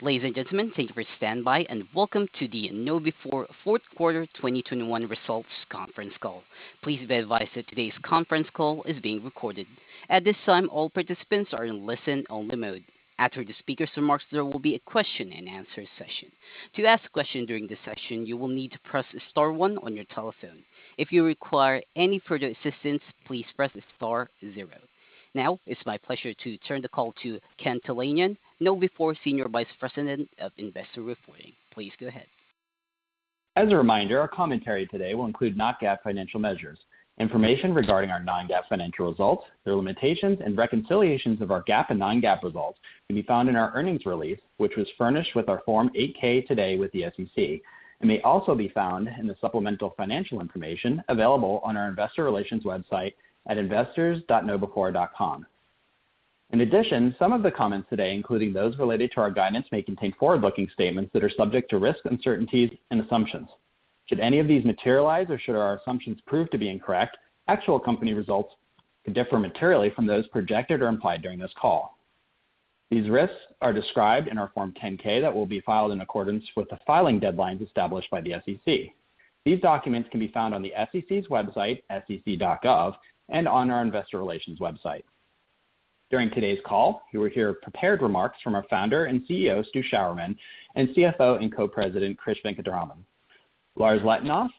Ladies and gentlemen, thank you for standing by and welcome to the KnowBe4 Q4 2021 results conference call. Please be advised that today's conference call is being recorded. At this time, all participants are in listen-only mode. After the speaker's remarks, there will be a question and answer session. To ask a question during this session, you will need to press star one on your telephone. If you require any further assistance, please press star zero. Now, it's my pleasure to turn the call to Ken Talanian, KnowBe4 Senior Vice President of Investor Reporting. Please go ahead. As a reminder, our commentary today will include non-GAAP financial measures. Information regarding our non-GAAP financial results, their limitations and reconciliations of our GAAP and non-GAAP results can be found in our earnings release, which was furnished with our Form 8-K today with the SEC, and may also be found in the supplemental financial information available on our investor relations website at investors.knowbe4.com. In addition, some of the comments today, including those related to our guidance, may contain forward-looking statements that are subject to risks, uncertainties and assumptions. Should any of these materialize or should our assumptions prove to be incorrect, actual company results could differ materially from those projected or implied during this call. These risks are described in our Form 10-K that will be filed in accordance with the filing deadlines established by the SEC. These documents can be found on the SEC's website, sec.gov, and on our investor relations website. During today's call, you will hear prepared remarks from our founder and CEO, Stu Sjouwerman, and CFO and Co-President, Krish Venkataraman. Lars Letonoff,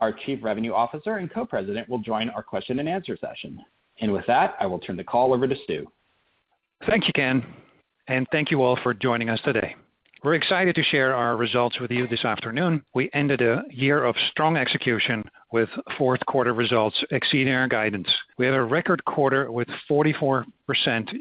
our Chief Revenue Officer and Co-President, will join our question and answer session. With that, I will turn the call over to Stu. Thank you, Ken, and thank you all for joining us today. We're excited to share our results with you this afternoon. We ended a year of strong execution with Q4 results exceeding our guidance. We had a record quarter with 44%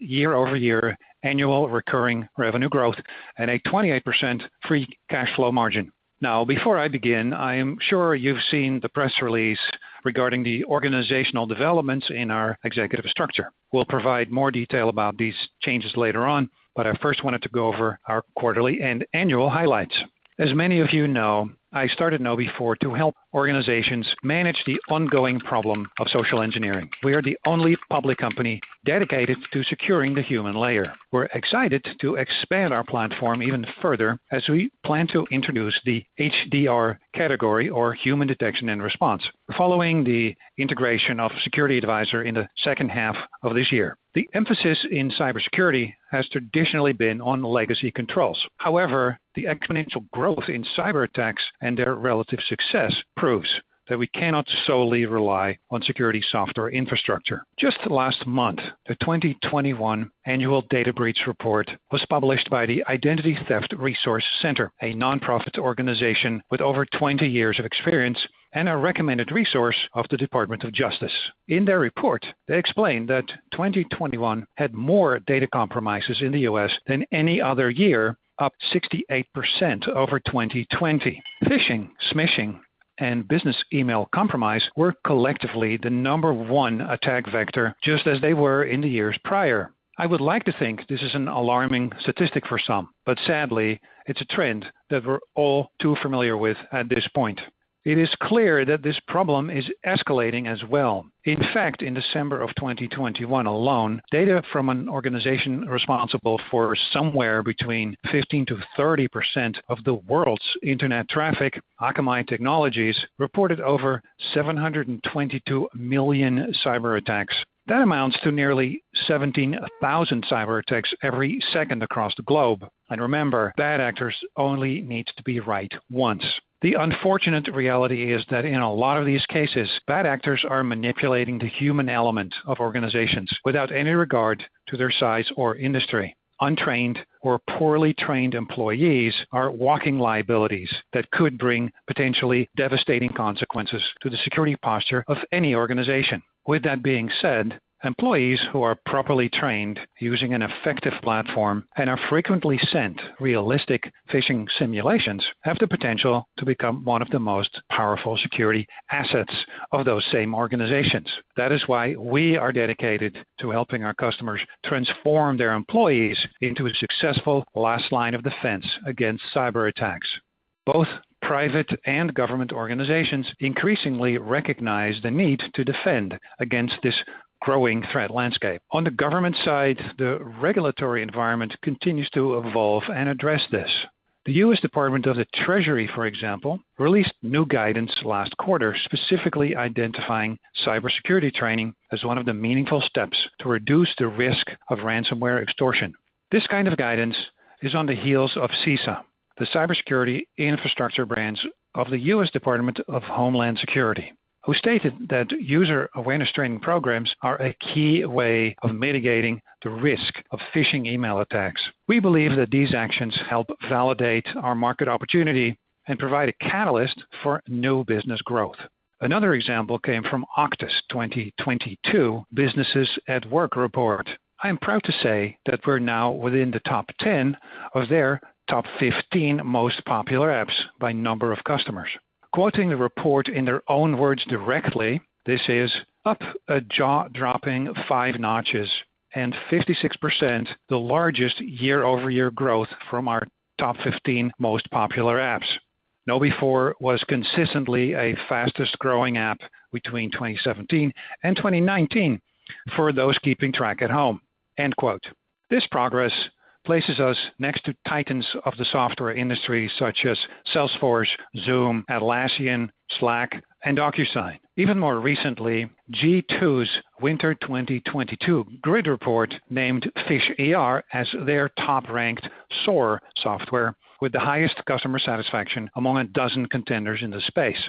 year-over-year annual recurring revenue growth and a 28% free cash flow margin. Now, before I begin, I am sure you've seen the press release regarding the organizational developments in our executive structure. We'll provide more detail about these changes later on, but I first wanted to go over our quarterly and annual highlights. As many of you know, I started KnowBe4 to help organizations manage the ongoing problem of social engineering. We are the only public company dedicated to securing the human layer. We're excited to expand our platform even further as we plan to introduce the HDR category or human detection and response following the integration of SecurityAdvisor in the second half of this year. The emphasis in cybersecurity has traditionally been on legacy controls. However, the exponential growth in cyberattacks and their relative success proves that we cannot solely rely on security software infrastructure. Just last month, the 2021 Annual Data Breach Report was published by the Identity Theft Resource Center, a nonprofit organization with over 20 years of experience and a recommended resource of the Department of Justice. In their report, they explained that 2021 had more data compromises in the U.S. than any other year, up 68% over 2020. Phishing, smishing, and business email compromise were collectively the number one attack vector, just as they were in the years prior. I would like to think this is an alarming statistic for some, but sadly, it's a trend that we're all too familiar with at this point. It is clear that this problem is escalating as well. In fact, in December of 2021 alone, data from an organization responsible for somewhere between 15%-30% of the world's internet traffic, Akamai Technologies, reported over 722 million cyberattacks. That amounts to nearly 17,000 cyberattacks every second across the globe. Remember, bad actors only needs to be right once. The unfortunate reality is that in a lot of these cases, bad actors are manipulating the human element of organizations without any regard to their size or industry. Untrained or poorly trained employees are walking liabilities that could bring potentially devastating consequences to the security posture of any organization. With that being said, employees who are properly trained using an effective platform and are frequently sent realistic phishing simulations have the potential to become one of the most powerful security assets of those same organizations. That is why we are dedicated to helping our customers transform their employees into a successful last line of defense against cyberattacks. Both private and government organizations increasingly recognize the need to defend against this growing threat landscape. On the government side, the regulatory environment continues to evolve and address this. The U.S. Department of the Treasury, for example, released new guidance last quarter, specifically identifying cybersecurity training as one of the meaningful steps to reduce the risk of ransomware extortion. This kind of guidance is on the heels of CISA, the Cybersecurity and Infrastructure Security Agency of the U.S. Department of Homeland Security, which stated that user awareness training programs are a key way of mitigating the risk of phishing email attacks. We believe that these actions help validate our market opportunity and provide a catalyst for new business growth. Another example came from Okta's 2022 Businesses at Work report. I am proud to say that we're now within the top 10 of their top 15 most popular apps by number of customers. Quoting the report in their own words directly, this is up a jaw-dropping 5 notches and 56%, the largest year-over-year growth from our top 15 most popular apps. KnowBe4 was consistently a fastest-growing app between 2017 and 2019 for those keeping track at home. End quote. This progress places us next to titans of the software industry such as Salesforce, Zoom, Atlassian, Slack, and DocuSign. Even more recently, G2's Winter 2022 Grid Report named PhishER as their top-ranked SOAR software with the highest customer satisfaction among a dozen contenders in the space.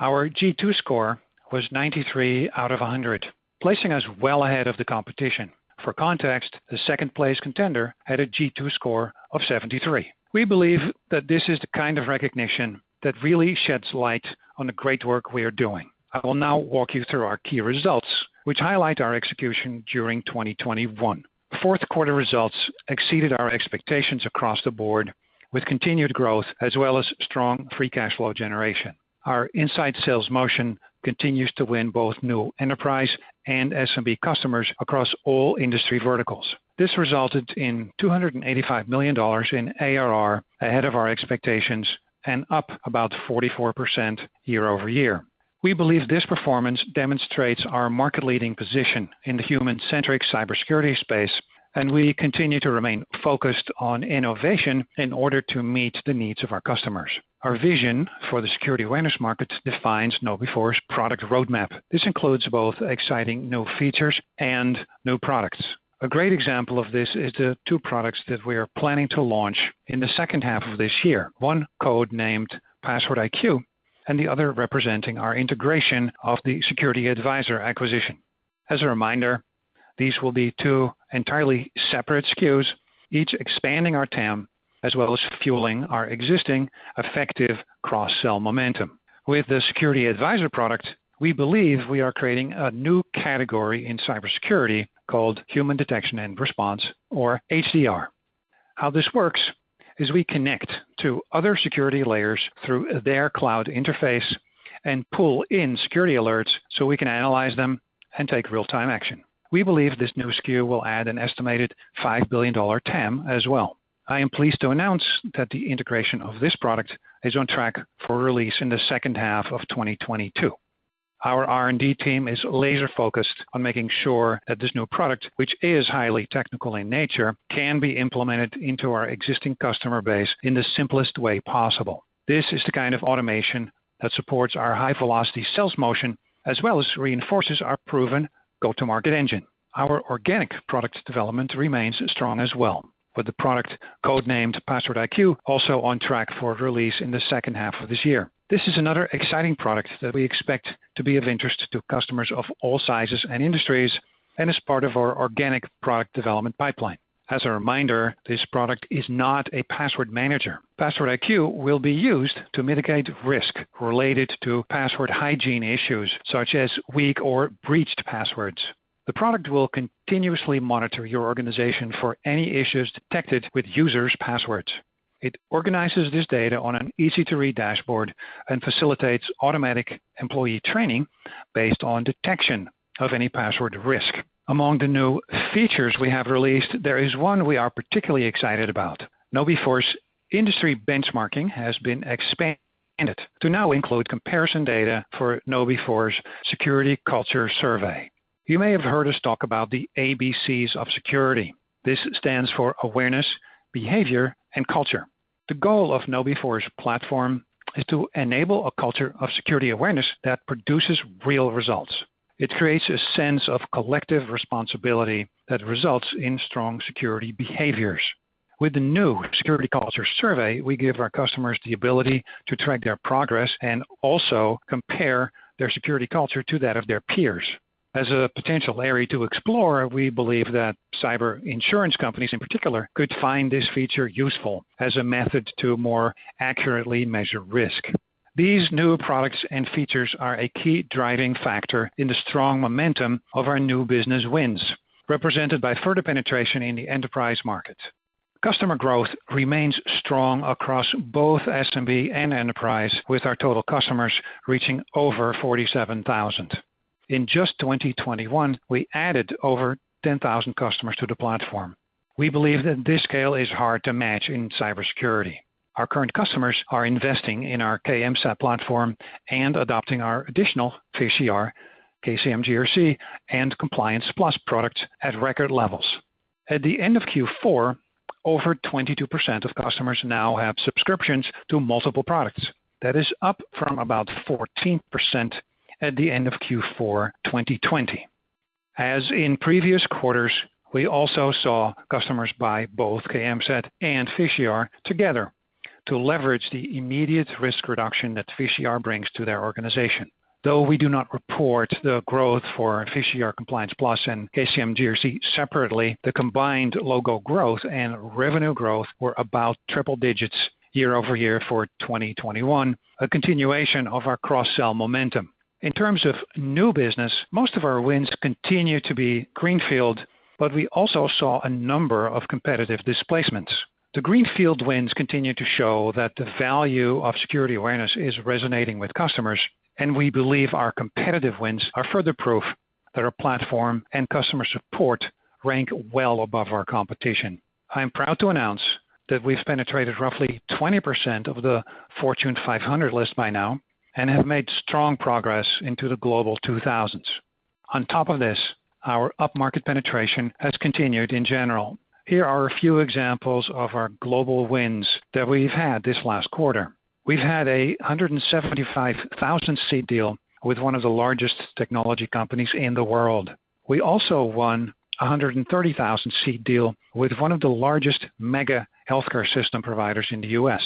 Our G2 score was 93 out of 100, placing us well ahead of the competition. For context, the second-place contender had a G2 score of 73. We believe that this is the kind of recognition that really sheds light on the great work we are doing. I will now walk you through our key results, which highlight our execution during 2021. Q4 results exceeded our expectations across the board with continued growth as well as strong free cash flow generation. Our inside sales motion continues to win both new enterprise and SMB customers across all industry verticals. This resulted in $285 million in ARR ahead of our expectations and up about 44% year-over-year. We believe this performance demonstrates our market-leading position in the human-centric cybersecurity space, and we continue to remain focused on innovation in order to meet the needs of our customers. Our vision for the security awareness market defines KnowBe4's product roadmap. This includes both exciting new features and new products. A great example of this is the two products that we are planning to launch in the second half of this year. One code-named PasswordIQ, and the other representing our integration of the SecurityAdvisor acquisition. As a reminder, these will be two entirely separate SKUs, each expanding our TAM as well as fueling our existing effective cross-sell momentum. With the SecurityAdvisor product, we believe we are creating a new category in cybersecurity called Human Detection and Response, or HDR. How this works is we connect to other security layers through their cloud interface and pull in security alerts so we can analyze them and take real-time action. We believe this new SKU will add an estimated $5 billion TAM as well. I am pleased to announce that the integration of this product is on track for release in the second half of 2022. Our R&D team is laser-focused on making sure that this new product, which is highly technical in nature, can be implemented into our existing customer base in the simplest way possible. This is the kind of automation that supports our high-velocity sales motion as well as reinforces our proven go-to-market engine. Our organic product development remains strong as well, with the product code-named PasswordIQ also on track for release in the second half of this year. This is another exciting product that we expect to be of interest to customers of all sizes and industries and is part of our organic product development pipeline. As a reminder, this product is not a password manager. PasswordIQ will be used to mitigate risk related to password hygiene issues such as weak or breached passwords. The product will continuously monitor your organization for any issues detected with users' passwords. It organizes this data on an easy-to-read dashboard and facilitates automatic employee training based on detection of any password risk. Among the new features we have released, there is one we are particularly excited about. KnowBe4's industry benchmarking has been expanded to now include comparison data for KnowBe4's security culture survey. You may have heard us talk about the ABCs of security. This stands for awareness, behavior, and culture. The goal of KnowBe4's platform is to enable a culture of security awareness that produces real results. It creates a sense of collective responsibility that results in strong security behaviors. With the new security culture survey, we give our customers the ability to track their progress and also compare their security culture to that of their peers. As a potential area to explore, we believe that cyber insurance companies in particular could find this feature useful as a method to more accurately measure risk. These new products and features are a key driving factor in the strong momentum of our new business wins, represented by further penetration in the enterprise market. Customer growth remains strong across both SMB and enterprise, with our total customers reaching over 47,000. In just 2021, we added over 10,000 customers to the platform. We believe that this scale is hard to match in cybersecurity. Our current customers are investing in our KMSAT platform and adopting our additional PhishER, KCM GRC, and Compliance Plus products at record levels. At the end of Q4, over 22% of customers now have subscriptions to multiple products. That is up from about 14% at the end of Q4 2020. As in previous quarters, we also saw customers buy both KMSAT and PhishER together to leverage the immediate risk reduction that PhishER brings to their organization. Though we do not report the growth for PhishER, Compliance Plus, and KCM GRC separately, the combined logo growth and revenue growth were about triple digits year-over-year for 2021, a continuation of our cross-sell momentum. In terms of new business, most of our wins continue to be greenfield, but we also saw a number of competitive displacements. The greenfield wins continue to show that the value of security awareness is resonating with customers, and we believe our competitive wins are further proof that our platform and customer support rank well above our competition. I am proud to announce that we've penetrated roughly 20% of the Fortune 500 list by now and have made strong progress into the Global 2000. On top of this, our upmarket penetration has continued in general. Here are a few examples of our global wins that we've had this last quarter. We've had a 175,000-seat deal with one of the largest technology companies in the world. We also won a 130,000-seat deal with one of the largest mega healthcare system providers in the U.S.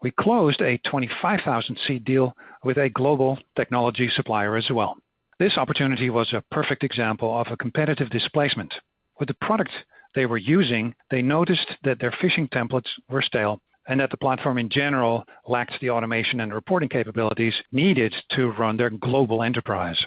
We closed a 25,000-seat deal with a global technology supplier as well. This opportunity was a perfect example of a competitive displacement. With the product they were using, they noticed that their phishing templates were stale and that the platform in general lacked the automation and reporting capabilities needed to run their global enterprise.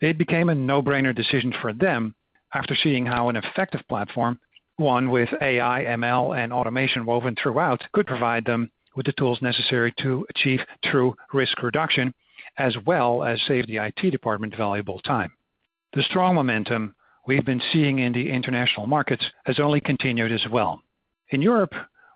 It became a no-brainer decision for them after seeing how an effective platform, one with AI, ML, and automation woven throughout, could provide them with the tools necessary to achieve true risk reduction as well as save the IT department valuable time. The strong momentum we've been seeing in the international markets has only continued as well. In Europe,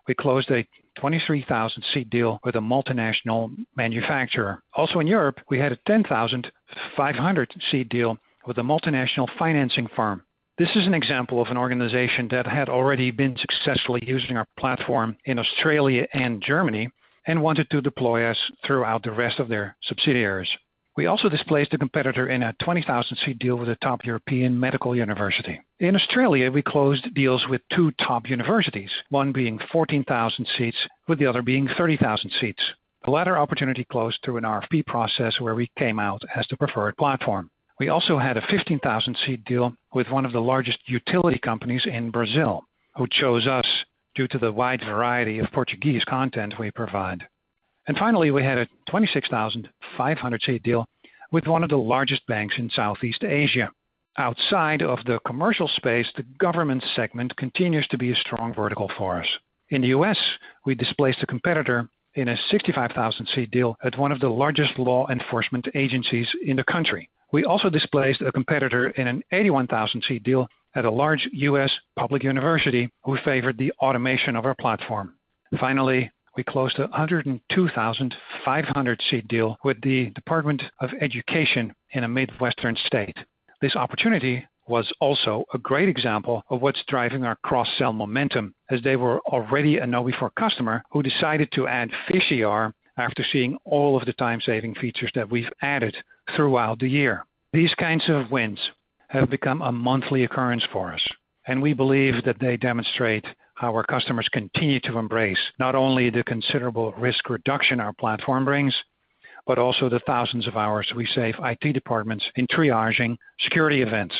we closed a 23,000-seat deal with a multinational manufacturer. Also in Europe, we had a 10,500-seat deal with a multinational financing firm. This is an example of an organization that had already been successfully using our platform in Australia and Germany and wanted to deploy us throughout the rest of their subsidiaries. We also displaced a competitor in a 20,000-seat deal with a top European medical university. In Australia, we closed deals with two top universities, one being 14,000 seats, with the other being 30,000 seats. The latter opportunity closed through an RFP process where we came out as the preferred platform. We also had a 15,000-seat deal with one of the largest utility companies in Brazil, who chose us due to the wide variety of Portuguese content we provide. Finally, we had a 26,500 seat deal with one of the largest banks in Southeast Asia. Outside of the commercial space, the government segment continues to be a strong vertical for us. In the U.S., we displaced a competitor in a 65,000 seat deal at one of the largest law enforcement agencies in the country. We also displaced a competitor in an 81,000 seat deal at a large U.S. public university who favored the automation of our platform. Finally, we closed a 102,500 seat deal with the Department of Education in a Midwestern state. This opportunity was also a great example of what's driving our cross-sell momentum, as they were already a KnowBe4 customer who decided to add PhishER after seeing all of the time-saving features that we've added throughout the year. These kinds of wins have become a monthly occurrence for us, and we believe that they demonstrate how our customers continue to embrace not only the considerable risk reduction our platform brings, but also the thousands of hours we save IT departments in triaging security events.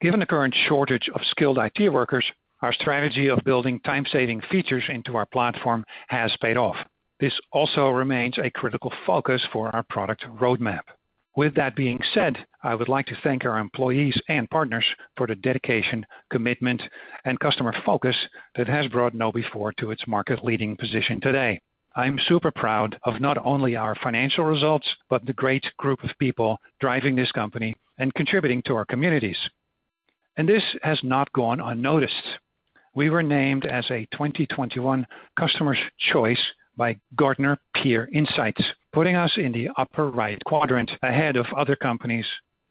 Given the current shortage of skilled IT workers, our strategy of building time-saving features into our platform has paid off. This also remains a critical focus for our product roadmap. With that being said, I would like to thank our employees and partners for the dedication, commitment, and customer focus that has brought KnowBe4 to its market-leading position today. I'm super proud of not only our financial results, but the great group of people driving this company and contributing to our communities. This has not gone unnoticed. We were named as a 2021 Customers' Choice by Gartner Peer Insights, putting us in the upper right quadrant ahead of other companies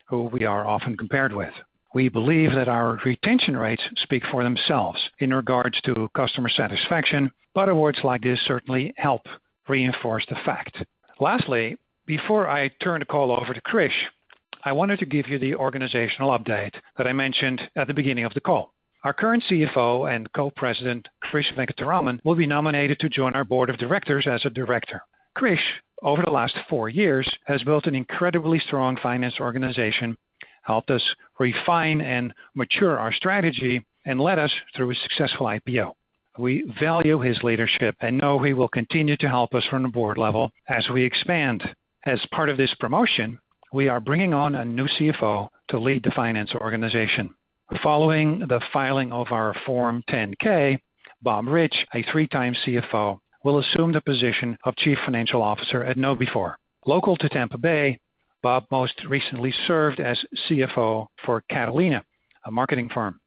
who we are often compared with. We believe that our retention rates speak for themselves in regards to customer satisfaction, but awards like this certainly help reinforce the fact. Lastly, before I turn the call over to Krish, I wanted to give you the organizational update that I mentioned at the beginning of the call. Our current CFO and Co-President, Krish Venkataraman, will be nominated to join our board of directors as a director. Krish, over the last four years, has built an incredibly strong finance organization, helped us refine and mature our strategy, and led us through a successful IPO. We value his leadership and know he will continue to help us from the board level as we expand. As part of this promotion, we are bringing on a new CFO to lead the finance organization. Following the filing of our Form 10-K, Bob Reich, a three-time CFO, will assume the position of Chief Financial Officer at KnowBe4. Local to Tampa Bay, Bob most recently served as CFO for Catalina, a marketing firm.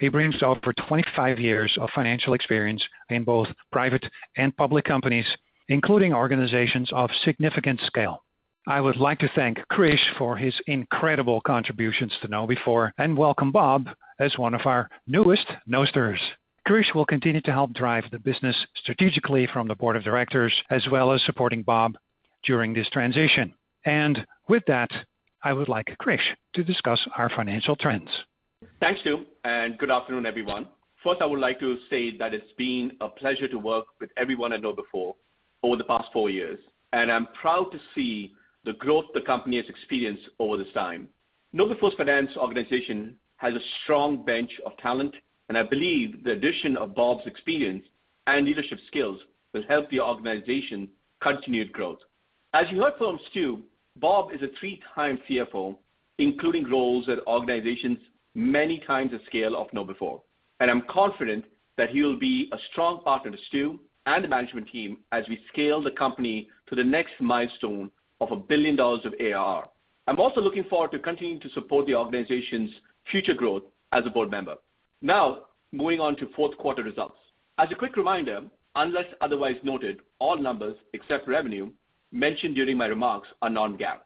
He brings over 25 years of financial experience in both private and public companies, including organizations of significant scale. I would like to thank Krish for his incredible contributions to KnowBe4 and welcome Bob as one of our newest Knowsters. Krish will continue to help drive the business strategically from the board of directors, as well as supporting Bob during this transition. With that, I would like Krish to discuss our financial trends. Thanks, Stu, and good afternoon, everyone. First, I would like to say that it's been a pleasure to work with everyone at KnowBe4 over the past four years, and I'm proud to see the growth the company has experienced over this time. KnowBe4's finance organization has a strong bench of talent, and I believe the addition of Bob's experience and leadership skills will help the organization continued growth. As you heard from Stu, Bob is a three-time CFO, including roles at organizations many times the scale of KnowBe4, and I'm confident that he will be a strong partner to Stu and the management team as we scale the company to the next milestone of $1 billion of ARR. I'm also looking forward to continuing to support the organization's future growth as a board member. Now, moving on to Q4 results. As a quick reminder, unless otherwise noted, all numbers except revenue mentioned during my remarks are non-GAAP.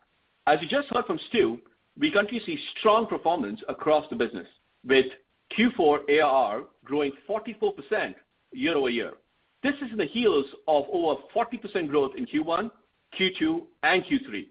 As you just heard from Stu, we continue to see strong performance across the business, with Q4 ARR growing 44% year-over-year. This is on the heels of over 40% growth in Q1, Q2, and Q3.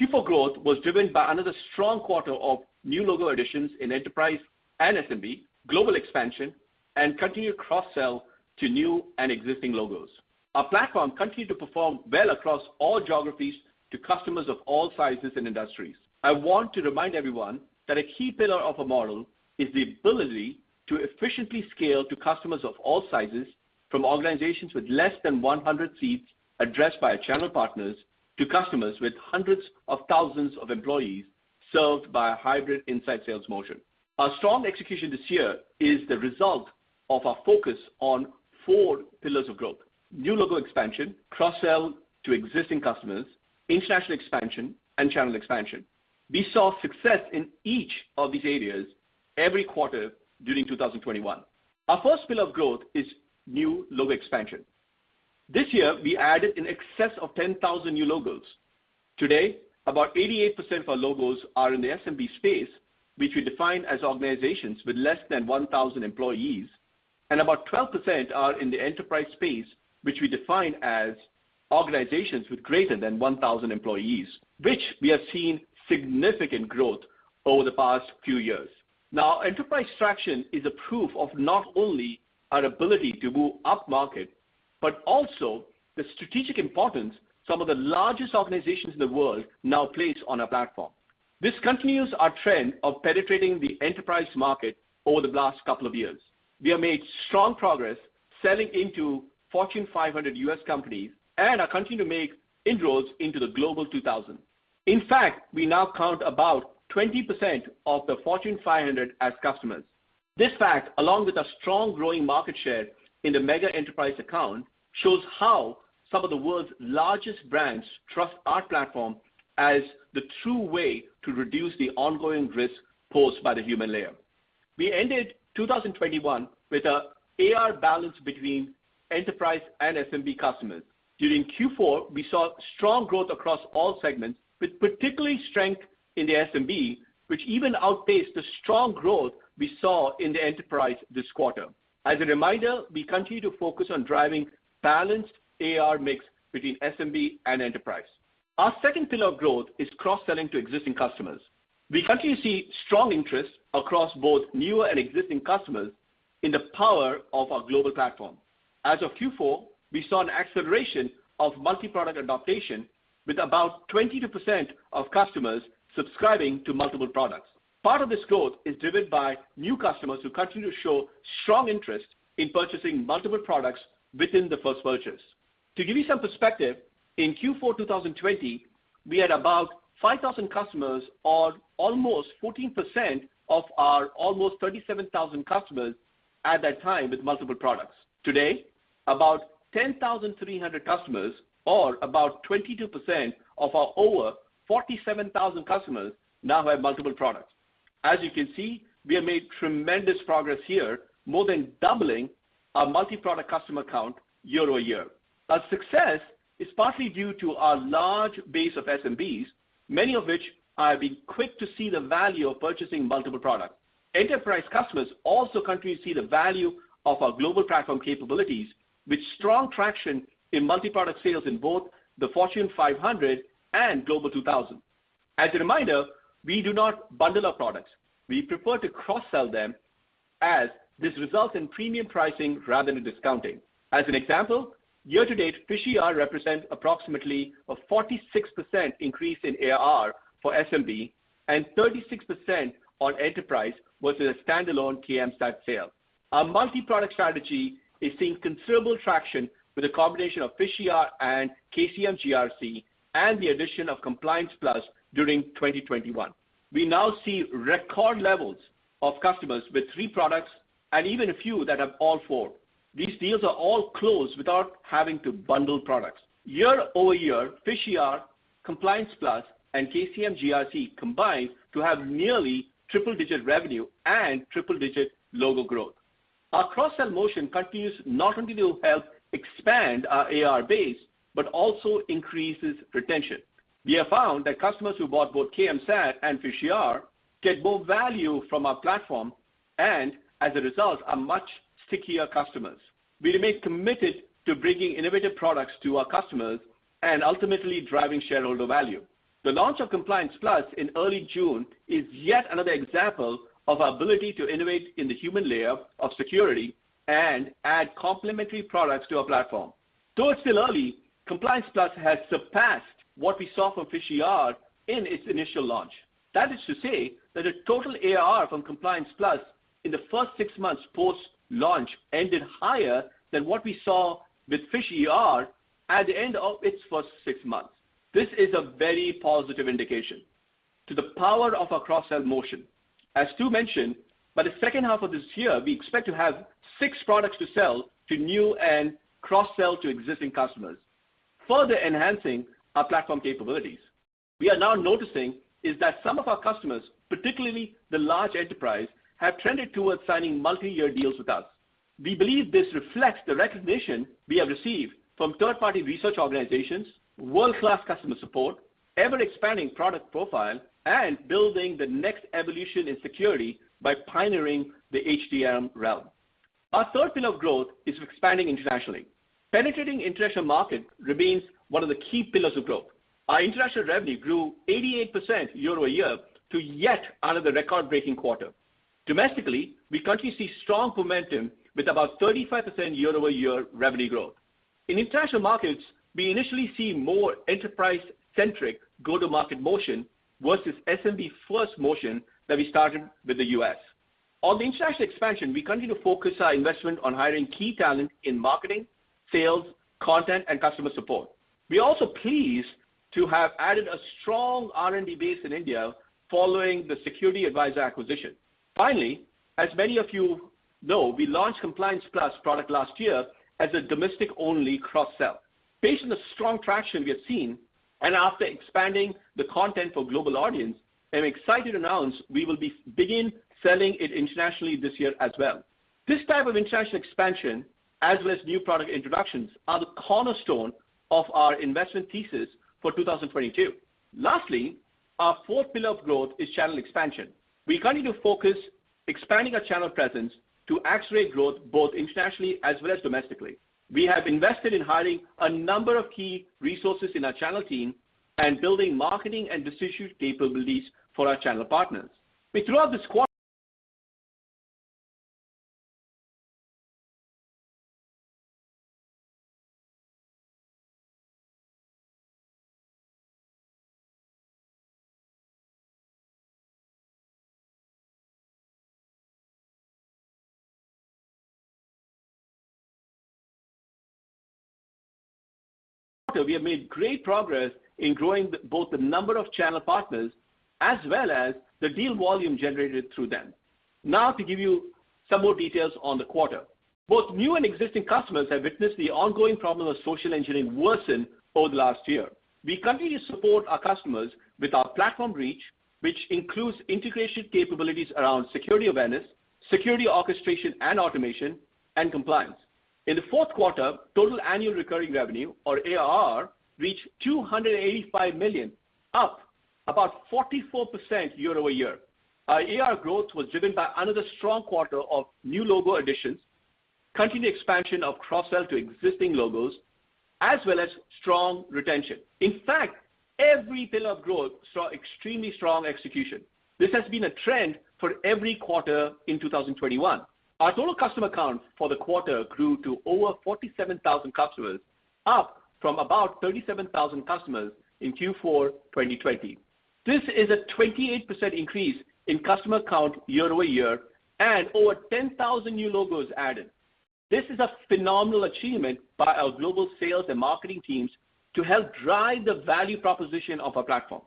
Q4 growth was driven by another strong quarter of new logo additions in enterprise and SMB, global expansion, and continued cross-sell to new and existing logos. Our platform continued to perform well across all geographies to customers of all sizes and industries. I want to remind everyone that a key pillar of our model is the ability to efficiently scale to customers of all sizes from organizations with less than 100 seats addressed by our channel partners to customers with hundreds of thousands of employees served by a hybrid inside sales motion. Our strong execution this year is the result of our focus on four pillars of growth, new logo expansion, cross-sell to existing customers, international expansion, and channel expansion. We saw success in each of these areas every quarter during 2021. Our first pillar of growth is new logo expansion. This year we added in excess of 10,000 new logos. Today, about 88% of our logos are in the SMB space, which we define as organizations with less than 1,000 employees, and about 12% are in the enterprise space, which we define as organizations with greater than 1,000 employees, which we have seen significant growth over the past few years. Now, enterprise traction is a proof of not only our ability to move upmarket, but also the strategic importance some of the largest organizations in the world now place on our platform. This continues our trend of penetrating the enterprise market over the last couple of years. We have made strong progress selling into Fortune 500 U.S. companies and are continuing to make inroads into the Global 2000. In fact, we now count about 20% of the Fortune 500 as customers. This fact, along with a strong growing market share in the mega enterprise account, shows how some of the world's largest brands trust our platform as the true way to reduce the ongoing risk posed by the human layer. We ended 2021 with an ARR balance between enterprise and SMB customers. During Q4, we saw strong growth across all segments, with particular strength in the SMB, which even outpaced the strong growth we saw in the enterprise this quarter. As a reminder, we continue to focus on driving balanced ARR mix between SMB and enterprise. Our second pillar of growth is cross-selling to existing customers. We continue to see strong interest across both new and existing customers in the power of our global platform. As of Q4, we saw an acceleration of multi-product adoption with about 22% of customers subscribing to multiple products. Part of this growth is driven by new customers who continue to show strong interest in purchasing multiple products within the first purchase. To give you some perspective, in Q4 2020, we had about 5,000 customers or almost 14% of our almost 37,000 customers at that time with multiple products. Today, about 10,300 customers or about 22% of our over 47,000 customers now have multiple products. As you can see, we have made tremendous progress here, more than doubling our multi-product customer count year over year. Our success is partly due to our large base of SMBs, many of which have been quick to see the value of purchasing multiple products. Enterprise customers also continue to see the value of our global platform capabilities with strong traction in multi-product sales in both the Fortune 500 and Global 2000. As a reminder, we do not bundle our products. We prefer to cross-sell them as this results in premium pricing rather than discounting. As an example, year to date, PhishER represents approximately a 46% increase in ARR for SMB and 36% on enterprise versus a standalone KMSAT sale. Our multi-product strategy is seeing considerable traction with a combination of PhishER and KCM GRC and the addition of Compliance Plus during 2021. We now see record levels of customers with three products and even a few that have all four. These deals are all closed without having to bundle products. Year-over-year, PhishER, Compliance Plus, and KCM GRC combined to have nearly triple-digit revenue and triple-digit logo growth. Our cross-sell motion continues not only to help expand our ARR base but also increases retention. We have found that customers who bought both KMSAT and PhishER get more value from our platform and as a result are much stickier customers. We remain committed to bringing innovative products to our customers and ultimately driving shareholder value. The launch of Compliance Plus in early June is yet another example of our ability to innovate in the human layer of security and add complementary products to our platform. Though it's still early, Compliance Plus has surpassed what we saw from PhishER in its initial launch. That is to say that the total ARR from Compliance Plus in the first six months post-launch ended higher than what we saw with PhishER at the end of its first six months. This is a very positive indication to the power of our cross-sell motion. As Stu mentioned, by the second half of this year, we expect to have six products to sell to new and cross-sell to existing customers. Further enhancing our platform capabilities. We are now noticing that some of our customers, particularly the large enterprise, have trended towards signing multi-year deals with us. We believe this reflects the recognition we have received from third-party research organizations, world-class customer support, ever-expanding product profile, and building the next evolution in security by pioneering the HDR realm. Our third pillar of growth is expanding internationally. Penetrating international market remains one of the key pillars of growth. Our international revenue grew 88% year-over-year to yet another record-breaking quarter. Domestically, we continue to see strong momentum with about 35% year-over-year revenue growth. In international markets, we initially see more enterprise-centric go-to-market motion versus SMB first motion that we started with the U.S. On the international expansion, we continue to focus our investment on hiring key talent in marketing, sales, content, and customer support. We're also pleased to have added a strong R&D base in India following the SecurityAdvisor acquisition. Finally, as many of you know, we launched Compliance Plus product last year as a domestic-only cross-sell. Based on the strong traction we have seen, and after expanding the content for global audience, I'm excited to announce we will begin selling it internationally this year as well. This type of international expansion, as with new product introductions, are the cornerstone of our investment thesis for 2022. Lastly, our fourth pillar of growth is channel expansion. We continue to focus on expanding our channel presence to accelerate growth both internationally as well as domestically. We have invested in hiring a number of key resources in our channel team and building marketing and distribution capabilities for our channel partners. We have made great progress in growing both the number of channel partners as well as the deal volume generated through them. Now to give you some more details on the quarter. Both new and existing customers have witnessed the ongoing problem of social engineering worsen over the last year. We continue to support our customers with our platform reach, which includes integration capabilities around security awareness, security orchestration and automation, and compliance. In the Q4, total annual recurring revenue or ARR reached $285 million, up about 44% year-over-year. Our ARR growth was driven by another strong quarter of new logo additions, continued expansion of cross-sell to existing logos, as well as strong retention. In fact, every pillar of growth saw extremely strong execution. This has been a trend for every quarter in 2021. Our total customer count for the quarter grew to over 47,000 customers, up from about 37,000 customers in Q4 2020. This is a 28% increase in customer count year-over-year and over 10,000 new logos added. This is a phenomenal achievement by our global sales and marketing teams to help drive the value proposition of our platform.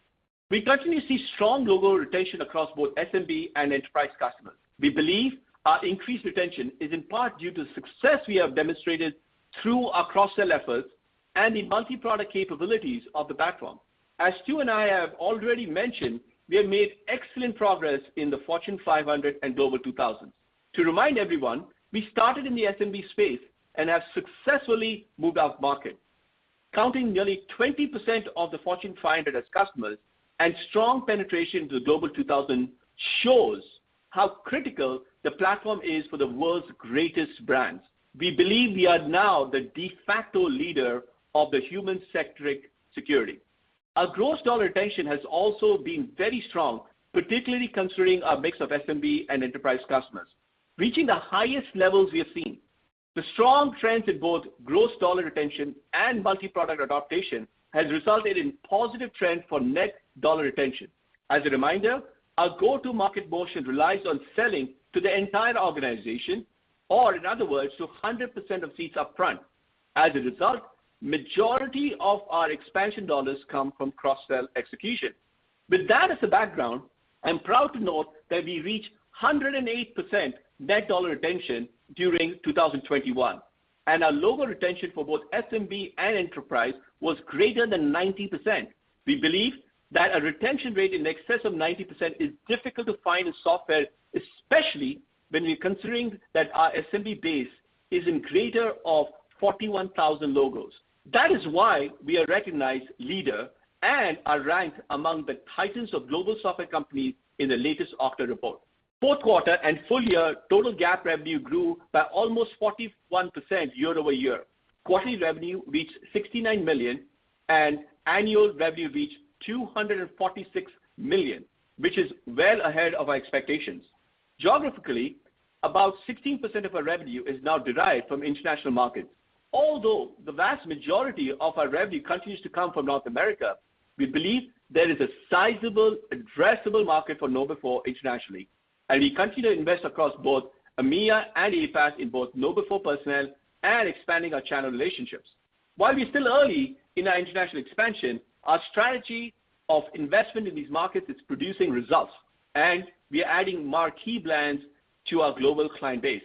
We continue to see strong logo retention across both SMB and enterprise customers. We believe our increased retention is in part due to the success we have demonstrated through our cross-sell efforts and the multi-product capabilities of the platform. As Stu and I have already mentioned, we have made excellent progress in the Fortune 500 and Global 2000. To remind everyone, we started in the SMB space and have successfully moved upmarket. Counting nearly 20% of the Fortune 500 as customers and strong penetration to the Global 2000 shows how critical the platform is for the world's greatest brands. We believe we are now the de facto leader of the human-centric security. Our gross dollar retention has also been very strong, particularly considering our mix of SMB and enterprise customers, reaching the highest levels we have seen. The strong trends in both gross dollar retention and multi-product adoption has resulted in positive trend for net dollar retention. As a reminder, our go-to-market motion relies on selling to the entire organization, or in other words, to 100% of seats upfront. As a result, majority of our expansion dollars come from cross-sell execution. With that as a background, I'm proud to note that we reached 108% net dollar retention during 2021, and our logo retention for both SMB and enterprise was greater than 90%. We believe that a retention rate in excess of 90% is difficult to find in software, especially when we're considering that our SMB base is greater than 41,000 logos. That is why we are a recognized leader and are ranked among the titans of global software companies in the latest Okta report. Q4 and full year total GAAP revenue grew by almost 41% year-over-year. Quarterly revenue reached $69 million, and annual revenue reached $246 million, which is well ahead of our expectations. Geographically, about 16% of our revenue is now derived from international markets. Although the vast majority of our revenue continues to come from North America, we believe there is a sizable addressable market for KnowBe4 internationally, and we continue to invest across both EMEA and APAC in both KnowBe4 personnel and expanding our channel relationships. While we're still early in our international expansion, our strategy of investment in these markets is producing results, and we are adding marquee brands to our global client base.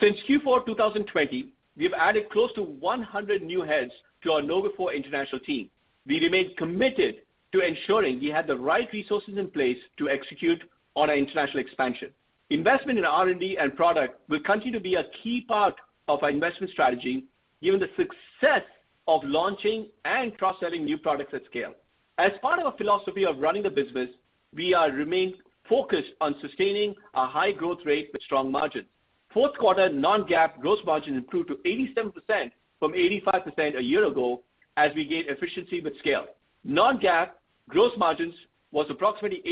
Since Q4 2020, we've added close to 100 new heads to our KnowBe4 international team. We remain committed to ensuring we have the right resources in place to execute on our international expansion. Investment in R&D and product will continue to be a key part of our investment strategy, given the success of launching and cross-selling new products at scale. As part of our philosophy of running the business, we are remained focused on sustaining a high growth rate with strong margins. Q4 non-GAAP gross margin improved to 87% from 85% a year ago as we gain efficiency with scale. Non-GAAP gross margins was approximately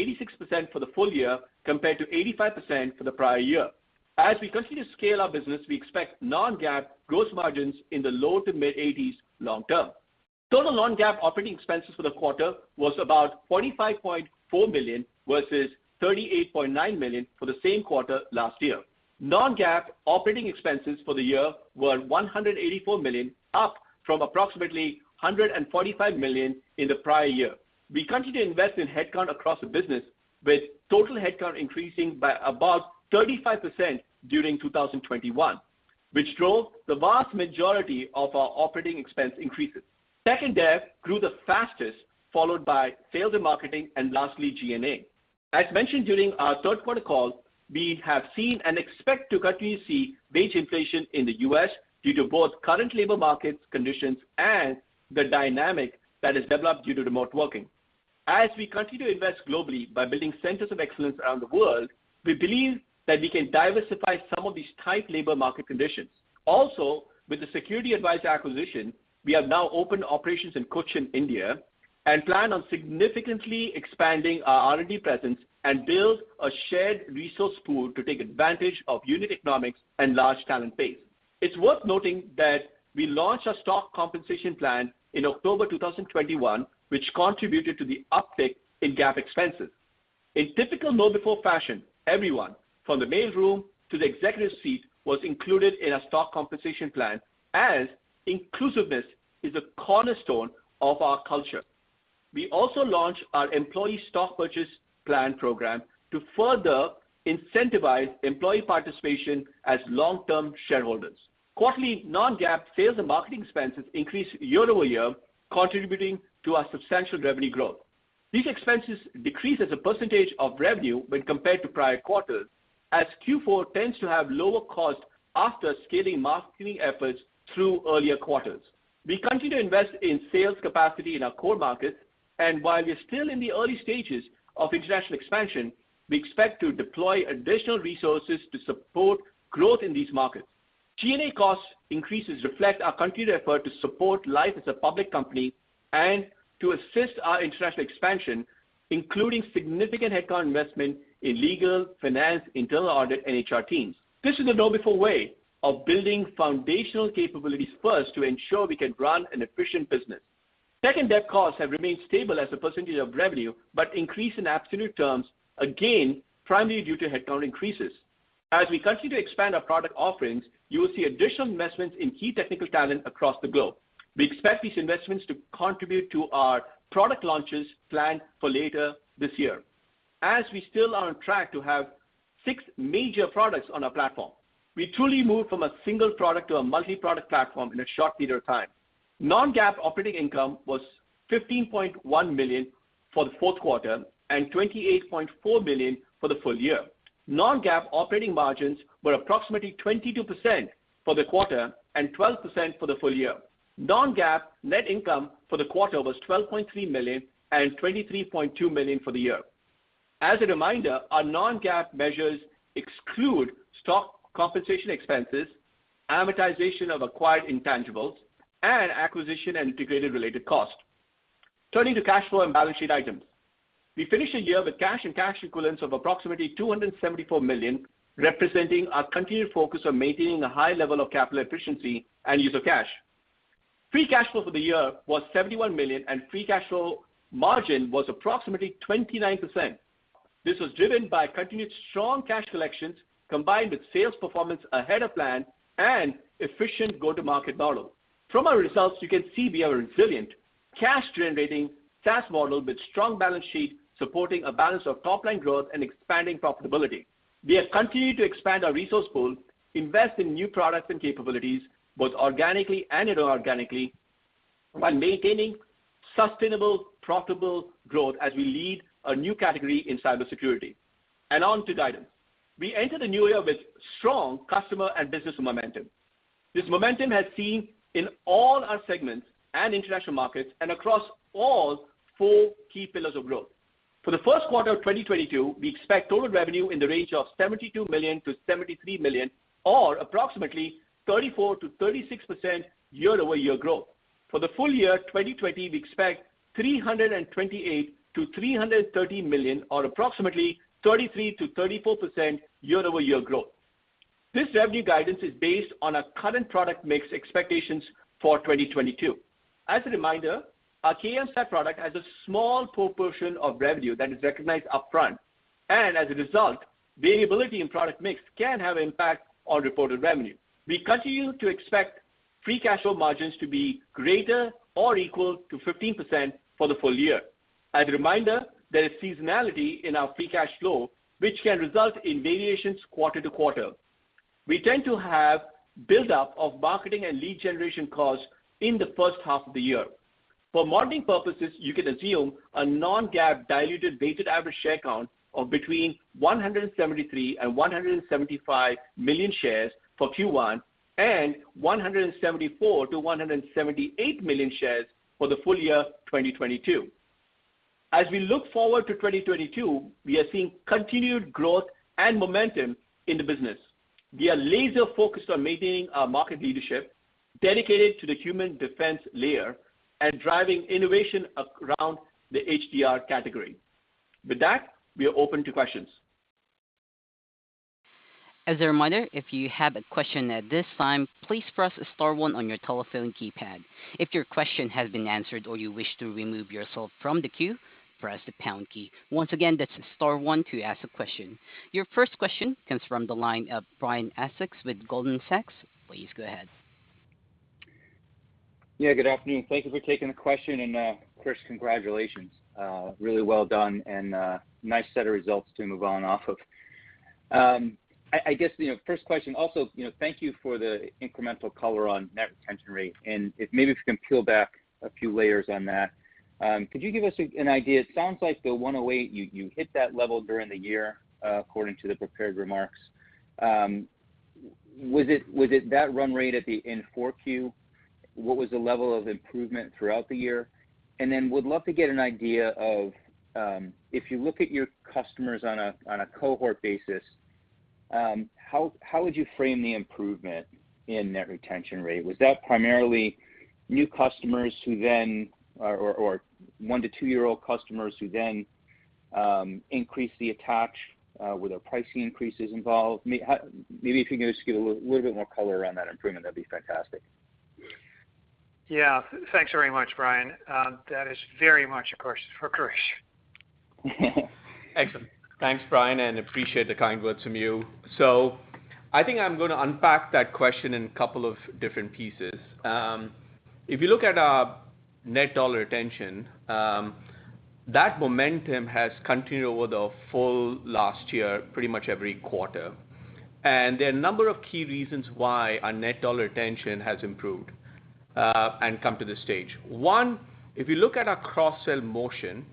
86% for the full year compared to 85% for the prior year. As we continue to scale our business, we expect non-GAAP gross margins in the low to mid-80s long term. Total non-GAAP operating expenses for the quarter was about $45.4 million versus $38.9 million for the same quarter last year. Non-GAAP operating expenses for the year were $184 million, up from approximately $145 million in the prior year. We continue to invest in headcount across the business, with total headcount increasing by about 35% during 2021, which drove the vast majority of our operating expense increases. Tech and dev grew the fastest, followed by sales and marketing, and lastly, G&A. As mentioned during our Q3 call, we have seen and expect to continue to see wage inflation in the U.S. due to both current labor market conditions and the dynamic that has developed due to remote working. As we continue to invest globally by building centers of excellence around the world, we believe that we can diversify some of these tight labor market conditions. With the SecurityAdvisor acquisition, we have now opened operations in Kochi, India, and plan on significantly expanding our R&D presence and build a shared resource pool to take advantage of unit economics and large talent base. It's worth noting that we launched our stock compensation plan in October 2021, which contributed to the uptick in GAAP expenses. In typical KnowBe4 fashion, everyone from the mail room to the executive seat was included in our stock compensation plan, as inclusiveness is a cornerstone of our culture. We also launched our employee stock purchase plan program to further incentivize employee participation as long-term shareholders. Quarterly non-GAAP sales and marketing expenses increased year-over-year, contributing to our substantial revenue growth. These expenses decreased as a percentage of revenue when compared to prior quarters, as Q4 tends to have lower costs after scaling marketing efforts through earlier quarters. We continue to invest in sales capacity in our core markets, and while we are still in the early stages of international expansion, we expect to deploy additional resources to support growth in these markets. G&A cost increases reflect our continued effort to support life as a public company and to assist our international expansion, including significant headcount investment in legal, finance, internal audit, and HR teams. This is the KnowBe4 way of building foundational capabilities first to ensure we can run an efficient business. Tech and dev costs have remained stable as a percentage of revenue, but increased in absolute terms, again, primarily due to headcount increases. As we continue to expand our product offerings, you will see additional investments in key technical talent across the globe. We expect these investments to contribute to our product launches planned for later this year. We still are on track to have 6 major products on our platform. We truly moved from a single product to a multi-product platform in a short period of time. Non-GAAP operating income was $15.1 million for the Q4 and $28.4 million for the full year. Non-GAAP operating margins were approximately 22% for the quarter and 12% for the full year. Non-GAAP net income for the quarter was $12.3 million and $23.2 million for the year. As a reminder, our non-GAAP measures exclude stock compensation expenses, amortization of acquired intangibles, and acquisition and integration related costs. Turning to cash flow and balance sheet items. We finished the year with cash and cash equivalents of approximately $274 million, representing our continued focus on maintaining a high level of capital efficiency and use of cash. Free cash flow for the year was $71 million, and free cash flow margin was approximately 29%. This was driven by continued strong cash collections combined with sales performance ahead of plan and efficient go-to-market model. From our results, you can see we have a resilient cash-generating SaaS model with strong balance sheet supporting a balance of top-line growth and expanding profitability. We have continued to expand our resource pool, invest in new products and capabilities, both organically and inorganically, while maintaining sustainable, profitable growth as we lead a new category in cybersecurity. On to guidance. We enter the new year with strong customer and business momentum. This momentum has seen in all our segments and international markets and across all 4 key pillars of growth. For the Q1 of 2022, we expect total revenue in the range of $72 million-$73 million or approximately 34%-36% year-over-year growth. For the full year 2022, we expect $328 million-$330 million or approximately 33%-34% year-over-year growth. This revenue guidance is based on our current product mix expectations for 2022. As a reminder, our KMSAT product has a small proportion of revenue that is recognized upfront, and as a result, variability in product mix can have impact on reported revenue. We continue to expect free cash flow margins to be greater or equal to 15% for the full year. As a reminder, there is seasonality in our free cash flow, which can result in variations quarter to quarter. We tend to have buildup of marketing and lead generation costs in the first half of the year. For modeling purposes, you can assume a non-GAAP diluted weighted average share count of between 173 and 175 million shares for Q1 and 174-178 million shares for the full year 2022. As we look forward to 2022, we are seeing continued growth and momentum in the business. We are laser-focused on maintaining our market leadership, dedicated to the human defense layer and driving innovation around the HDR category. With that, we are open to questions. As a reminder, if you have a question at this time, please press star one on your telephone keypad. If your question has been answered or you wish to remove yourself from the queue, press the pound key. Once again, that's star one to ask a question. Your first question comes from the line of Brian Essex with Goldman Sachs. Please go ahead. Yeah, good afternoon. Thank you for taking the question. First congratulations. Really well done and nice set of results to move on off of. I guess, you know, first question also, you know, thank you for the incremental color on net retention rate, and if maybe if you can peel back a few layers on that. Could you give us an idea? It sounds like the 108% you hit that level during the year, according to the prepared remarks. Was it that run rate at the end of 4Q? What was the level of improvement throughout the year? Then would love to get an idea of, if you look at your customers on a cohort basis, how would you frame the improvement in net retention rate? Was that primarily new customers who then or 1- to 2-year-old customers who then increased the attach with the pricing increases involved? Maybe if you can just give a little bit more color around that improvement, that'd be fantastic. Yeah. Thanks very much, Brian. That is very much, of course, for Krish. Excellent. Thanks, Brian, and I appreciate the kind words from you. I think I'm gonna unpack that question in a couple of different pieces. If you look at our net dollar retention, that momentum has continued over the full last year, pretty much every quarter. There are a number of key reasons why our net dollar retention has improved and come to this stage. One, if you look at our cross-sell motion,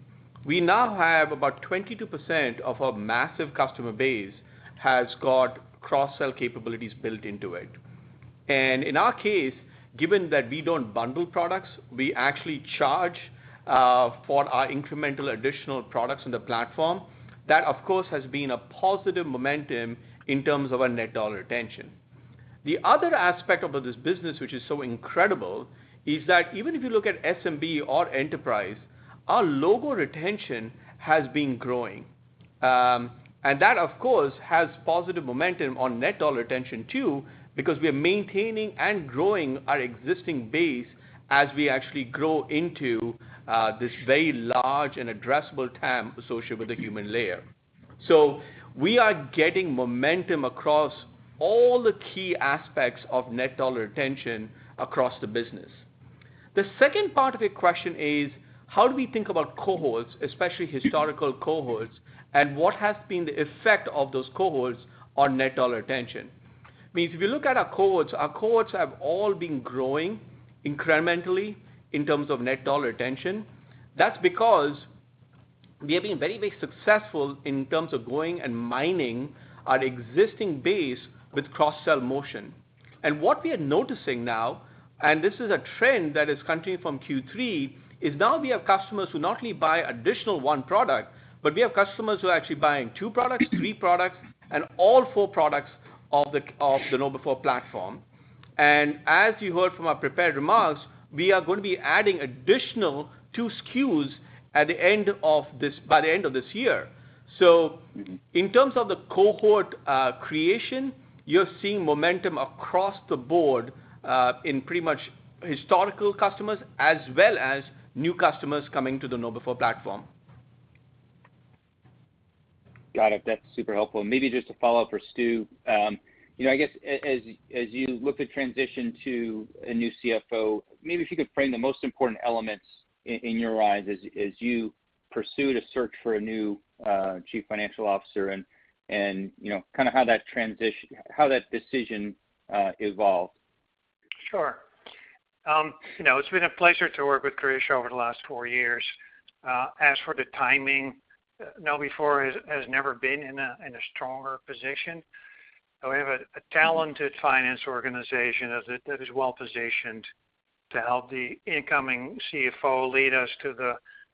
we now have about 22% of our massive customer base has got cross-sell capabilities built into it. In our case, given that we don't bundle products, we actually charge for our incremental additional products in the platform. That, of course, has been a positive momentum in terms of our net dollar retention. The other aspect about this business, which is so incredible, is that even if you look at SMB or enterprise, our logo retention has been growing. That of course has positive momentum on net dollar retention too, because we are maintaining and growing our existing base as we actually grow into this very large and addressable TAM associated with the human layer. We are getting momentum across all the key aspects of net dollar retention across the business. The second part of your question is, how do we think about cohorts, especially historical cohorts, and what has been the effect of those cohorts on net dollar retention? I mean, if you look at our cohorts, our cohorts have all been growing incrementally in terms of net dollar retention. That's because we have been very, very successful in terms of going and mining our existing base with cross-sell motion. What we are noticing now, and this is a trend that is continuing from Q3, is now we have customers who not only buy additional 1 product, but we have customers who are actually buying 2 products, 3 products, and all 4 products of the KnowBe4 platform. As you heard from our prepared remarks, we are gonna be adding additional 2 SKUs by the end of this year. In terms of the cohort creation, you're seeing momentum across the board in pretty much historical customers as well as new customers coming to the KnowBe4 platform Got it. That's super helpful. Maybe just a follow-up for Stu. You know, I guess as you look to transition to a new CFO, maybe if you could frame the most important elements in your eyes as you pursue to search for a new Chief Financial Officer and you know, kind of how that decision evolved. Sure. You know, it's been a pleasure to work with Krish over the last four years. As for the timing, KnowBe4 has never been in a stronger position. We have a talented finance organization that is well-positioned to help the incoming CFO lead us to the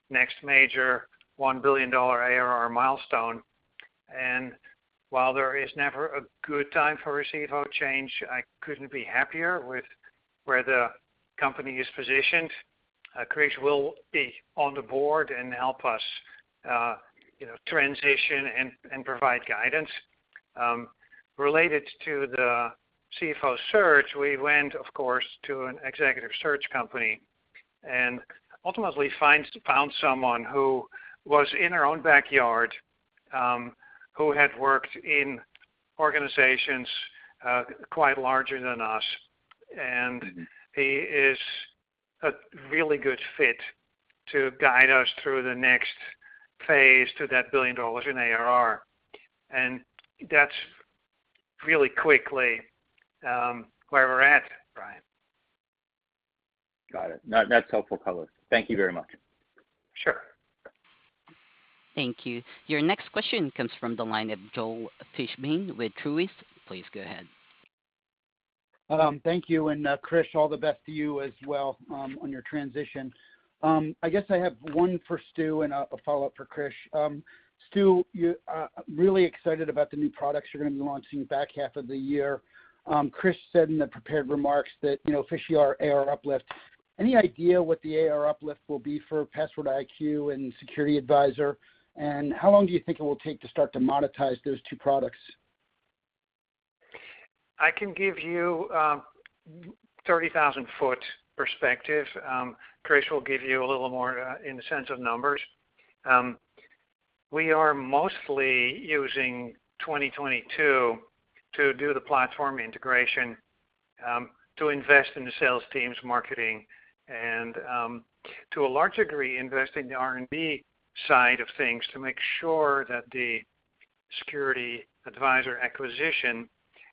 next major $1 billion ARR milestone. While there is never a good time for CFO change, I couldn't be happier with where the company is positioned. Krish will be on the board and help us, you know, transition and provide guidance. Related to the CFO search, we went, of course, to an executive search company and ultimately found someone who was in our own backyard, who had worked in organizations quite larger than us. He is a really good fit to guide us through the next phase to that $1 billion in ARR. That's really quickly where we're at, Brian. Got it. That's helpful color. Thank you very much. Sure. Thank you. Your next question comes from the line of Joel Fishbein with Truist. Please go ahead. Thank you. Krish, all the best to you as well, on your transition. I guess I have one for Stu and a follow-up for Krish. Stu, really excited about the new products you're gonna be launching back half of the year. Krish said in the prepared remarks that, you know, officially our ARR uplift. Any idea what the ARR uplift will be for PasswordIQ and SecurityAdvisor? And how long do you think it will take to start to monetize those two products? I can give you a 30,000-foot perspective. Krish will give you a little more in the sense of numbers. We are mostly using 2022 to do the platform integration, to invest in the sales teams marketing and, to a large degree, invest in the R&D side of things to make sure that the SecurityAdvisor acquisition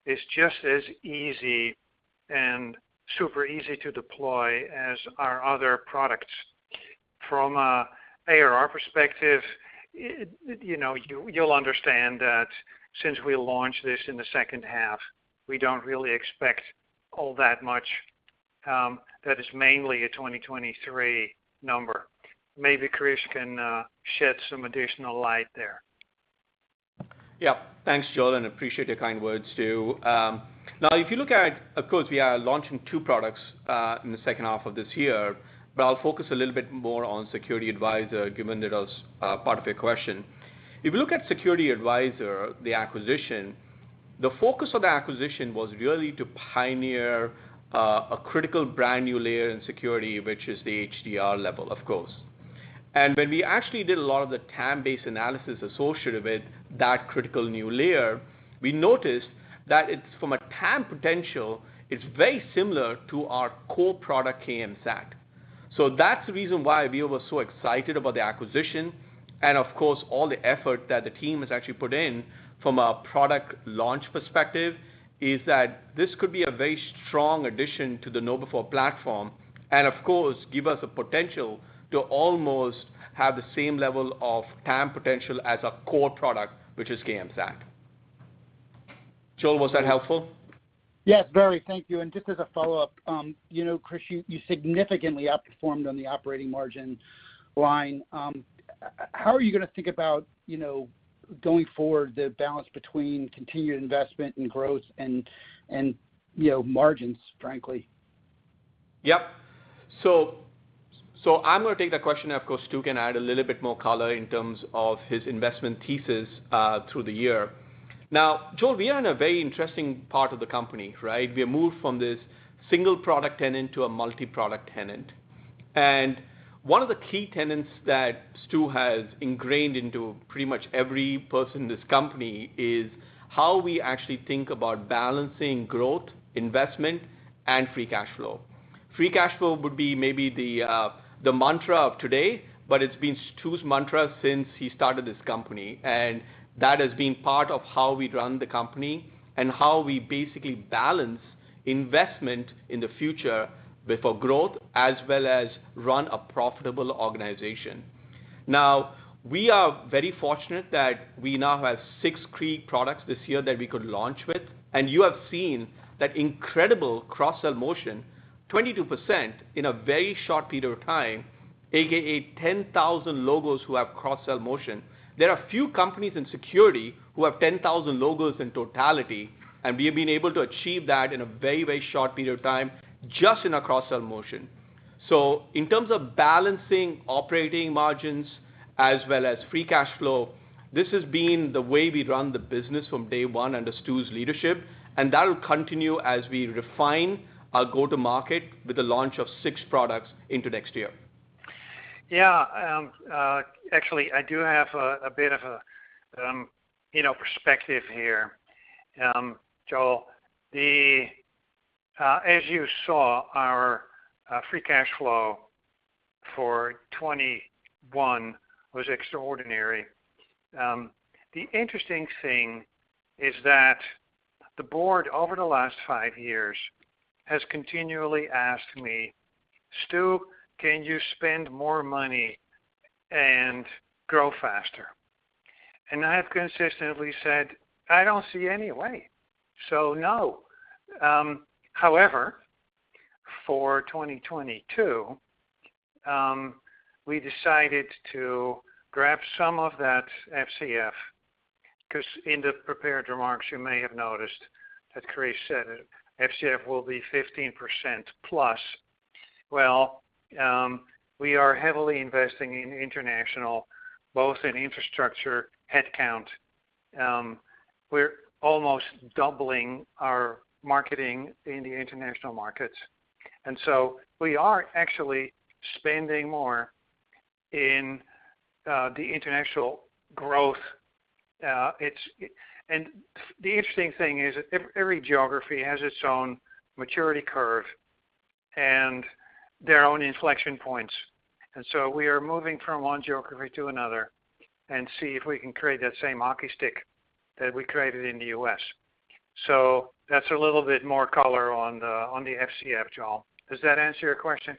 is just as easy and super easy to deploy as our other products. From an ARR perspective, it, you know, you'll understand that since we launched this in the second half, we don't really expect all that much, that is mainly a 2023 number. Maybe Krish can shed some additional light there. Yeah. Thanks, Joel, and appreciate your kind words too. Now if you look at, of course, we are launching two products in the second half of this year, but I'll focus a little bit more on SecurityAdvisor, given that was part of your question. If you look at SecurityAdvisor, the acquisition, the focus of the acquisition was really to pioneer a critical brand-new layer in security, which is the HDR level, of course. When we actually did a lot of the TAM-based analysis associated with that critical new layer, we noticed that it's from a TAM potential, it's very similar to our core product KMSAT. That's the reason why we were so excited about the acquisition. Of course, all the effort that the team has actually put in from a product launch perspective is that this could be a very strong addition to the KnowBe4 platform and of course give us a potential to almost have the same level of TAM potential as a core product, which is KMSAT. Joel, was that helpful? Yes, very. Thank you. Just as a follow-up, you know, Krish, you significantly outperformed on the operating margin line. How are you gonna think about, you know, going forward the balance between continued investment and growth and you know, margins, frankly? Yep. I'm gonna take that question. Of course, Stu can add a little bit more color in terms of his investment thesis through the year. Now, Joel, we are in a very interesting part of the company, right? We moved from this single product tenet to a multi-product tenet. One of the key tenets that Stu has ingrained into pretty much every person in this company is how we actually think about balancing growth, investment, and free cash flow. Free cash flow would be maybe the mantra of today, but it's been Stu's mantra since he started this company. That has been part of how we run the company and how we basically balance investment in the future before growth, as well as run a profitable organization. Now, we are very fortunate that we now have six key products this year that we could launch with, and you have seen that incredible cross-sell motion, 22% in a very short period of time, AKA 10,000 logos who have cross-sell motion. There are few companies in security who have 10,000 logos in totality, and we have been able to achieve that in a very, very short period of time, just in a cross-sell motion. In terms of balancing operating margins as well as free cash flow, this has been the way we run the business from day one under Stu's leadership, and that will continue as we refine our go-to-market with the launch of six products into next year. Actually, I do have a bit of a, you know, perspective here. Joel, as you saw, our free cash flow for 2021 was extraordinary. The interesting thing is that the board over the last 5 years has continually asked me, "Stu, can you spend more money and grow faster?" I have consistently said, "I don't see any way. So, no." However, for 2022, we decided to grab some of that FCF, 'cause in the prepared remarks, you may have noticed that Krish said it, FCF will be 15% plus. Well, we are heavily investing in international, both in infrastructure headcount. We're almost doubling our marketing in the international markets. We are actually spending more in the international growth. The interesting thing is every geography has its own maturity curve and their own inflection points. We are moving from one geography to another and see if we can create that same hockey stick that we created in the U.S. That's a little bit more color on the FCF, Joel. Does that answer your question?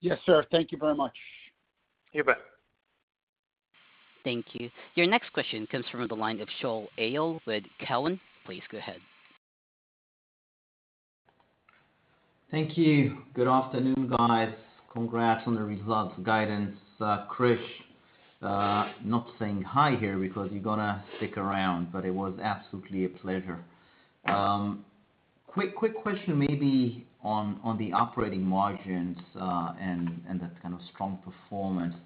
Yes, sir. Thank you very much. You bet. Thank you. Your next question comes from the line of Shaul Eyal with Cowen. Please go ahead. Thank you. Good afternoon, guys. Congrats on the results guidance. Krish, not saying hi here because you're gonna stick around, but it was absolutely a pleasure. Quick question maybe on the operating margins and that kind of strong performance.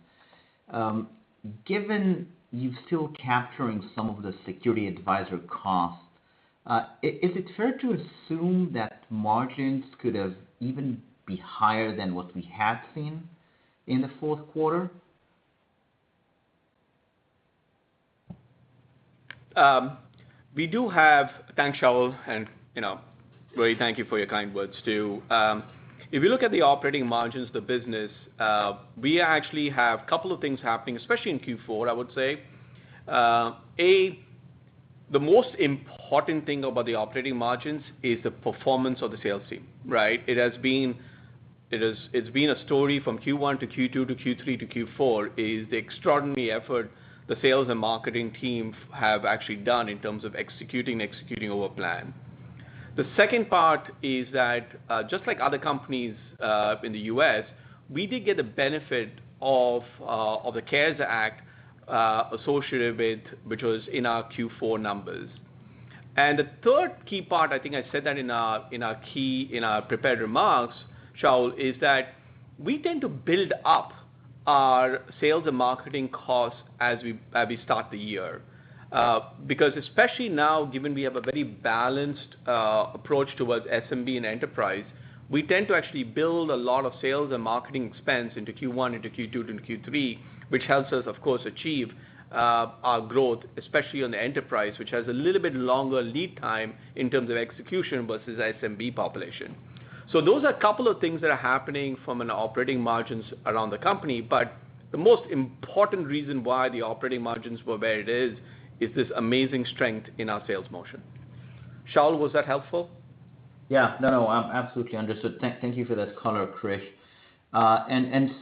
Given you're still capturing some of the SecurityAdvisor costs, is it fair to assume that margins could have even be higher than what we have seen in the Q4? Thanks, Shaul, and, you know, Ray, thank you for your kind words, too. If you look at the operating margins of the business, we actually have a couple of things happening, especially in Q4, I would say. A, the most important thing about the operating margins is the performance of the sales team, right? It has been a story from Q1 to Q2 to Q3 to Q4, the extraordinary effort the sales and marketing team have actually done in terms of executing our plan. The second part is that, just like other companies in the U.S., we did get the benefit of the CARES Act associated with which was in our Q4 numbers. The third key part, I think I said that in our prepared remarks, Shaul, is that we tend to build up our sales and marketing costs as we start the year. Because especially now, given we have a very balanced approach towards SMB and enterprise, we tend to actually build a lot of sales and marketing expense into Q1, into Q2, and Q3, which helps us, of course, achieve our growth, especially on the enterprise, which has a little bit longer lead time in terms of execution versus SMB population. Those are a couple of things that are happening from an operating margins around the company. The most important reason why the operating margins were where it is this amazing strength in our sales motion. Shaul, was that helpful? Yeah. Absolutely understood. Thank you for that color, Krish.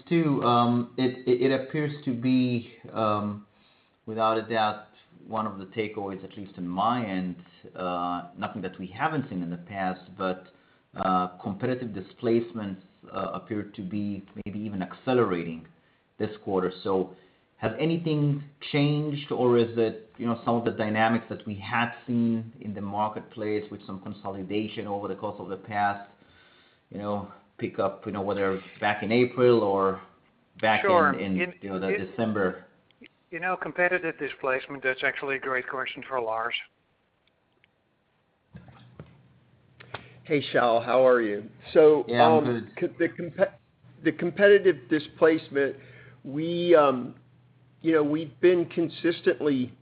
Stu, it appears to be without a doubt one of the takeaways, at least on my end, nothing that we haven't seen in the past, but competitive displacements appear to be maybe even accelerating this quarter. Has anything changed, or is it, you know, some of the dynamics that we had seen in the marketplace with some consolidation over the course of the past, you know, pick up, you know, whether back in April or back- Sure in, you know, the December. You know, competitive displacement, that's actually a great question for Lars. Hey, Shaul, how are you? Yeah, I'm good. The competitive displacement. You know, we've been consistently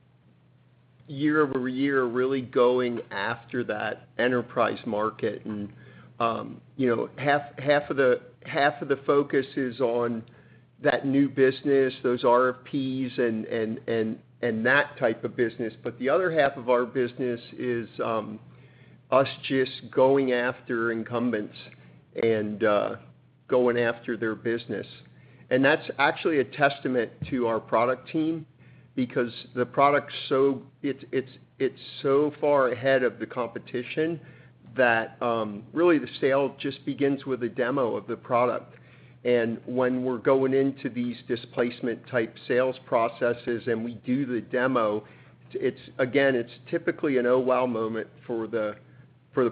year-over-year really going after that enterprise market. Half of the focus is on that new business, those RFPs and that type of business. The other half of our business is us just going after incumbents and going after their business. That's actually a testament to our product team because the product's so far ahead of the competition that really the sale just begins with a demo of the product. When we're going into these displacement type sales processes and we do the demo, it's typically an oh, wow moment for the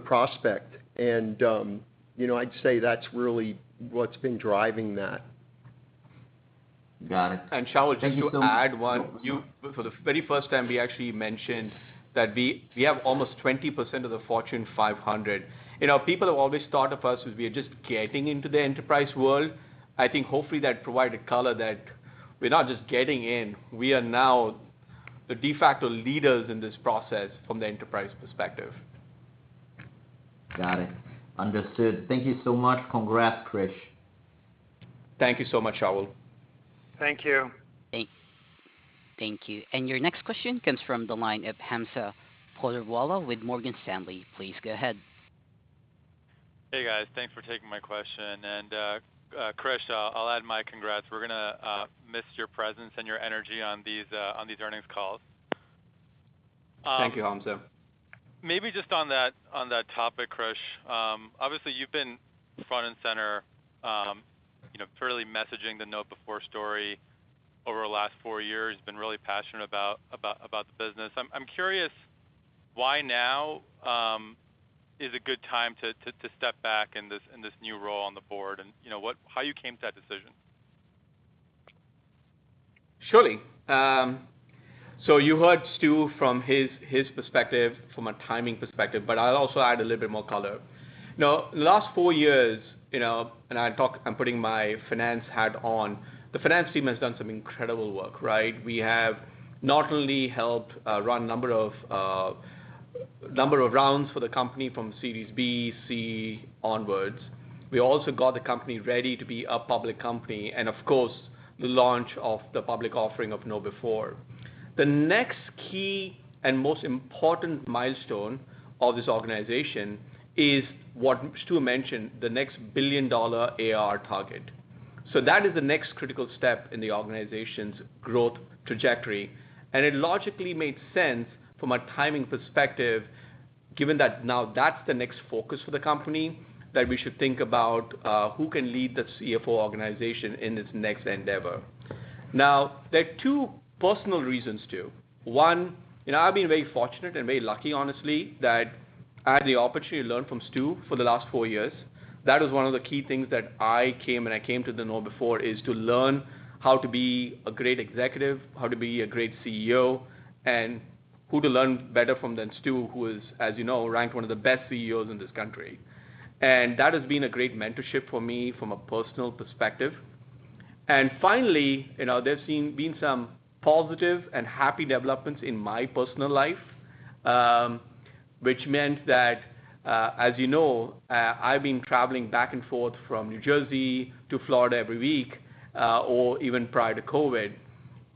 prospect. You know, I'd say that's really what's been driving that. Got it. Thank you so much. Shaul, just to add one. For the very first time, we actually mentioned that we have almost 20% of the Fortune 500. You know, people have always thought of us as we are just getting into the enterprise world. I think hopefully that provided color that we're not just getting in. We are now the de facto leaders in this process from the enterprise perspective. Got it. Understood. Thank you so much. Congrats, Krish. Thank you so much, Shaul. Thank you. Thank you. Your next question comes from the line of Hamza Fodderwala with Morgan Stanley. Please go ahead. Hey, guys. Thanks for taking my question. Krish, I'll add my congrats. We're gonna miss your presence and your energy on these earnings calls. Thank you, Hamza. Maybe just on that topic, Krish. Obviously, you've been front and center, you know, thoroughly messaging the KnowBe4 story over the last four years. You've been really passionate about the business. I'm curious why now is a good time to step back in this new role on the board and, you know, how you came to that decision? Surely. You heard Stu from his perspective, from a timing perspective, but I'll also add a little bit more color. Now, last four years, you know, and I'm putting my finance hat on, the finance team has done some incredible work, right? We have not only helped run number of rounds for the company from Series B, C onwards, we also got the company ready to be a public company and of course, the launch of the public offering of KnowBe4. The next key and most important milestone of this organization is what Stu mentioned, the next billion-dollar ARR target. That is the next critical step in the organization's growth trajectory, and it logically made sense from a timing perspective, given that now that's the next focus for the company that we should think about who can lead the CFO organization in this next endeavor. Now, there are two personal reasons, too. One, you know, I've been very fortunate and very lucky, honestly, that I had the opportunity to learn from Stu for the last four years. That was one of the key things that I came to KnowBe4, is to learn how to be a great executive, how to be a great CEO, and who to learn better from than Stu, who is, as you know, ranked one of the best CEOs in this country. That has been a great mentorship for me from a personal perspective. Finally, you know, there's been some positive and happy developments in my personal life, which meant that, as you know, I've been traveling back and forth from New Jersey to Florida every week, or even prior to COVID.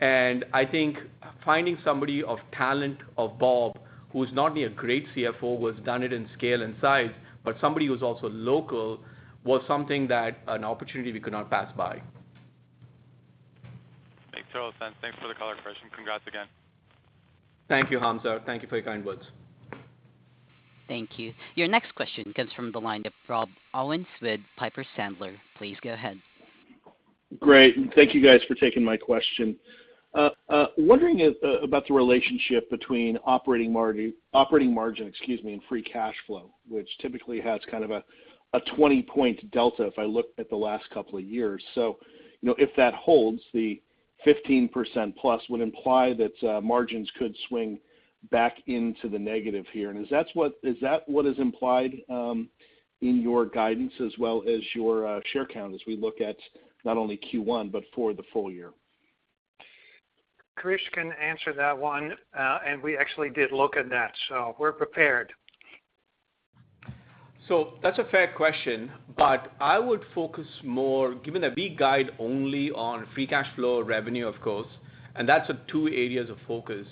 I think finding somebody of the talent of Bob, who's not only a great CFO, who has done it in scale and size, but somebody who's also local, was an opportunity we could not pass by. Makes total sense. Thanks for the color, Krish. Congrats again. Thank you, Hamza. Thank you for your kind words. Thank you. Your next question comes from the line of Rob Owens with Piper Sandler. Please go ahead. Great. Thank you guys for taking my question. Wondering about the relationship between operating margin, excuse me, and free cash flow, which typically has kind of a 20-point delta if I look at the last couple of years. You know, if that holds, the 15% plus would imply that margins could swing back into the negative here. Is that what is implied in your guidance as well as your share count as we look at not only Q1 but for the full year? Krish can answer that one. We actually did look at that, so we're prepared. That's a fair question, but I would focus more, given that we guide only on free cash flow revenue, of course, and that's the two areas of focus.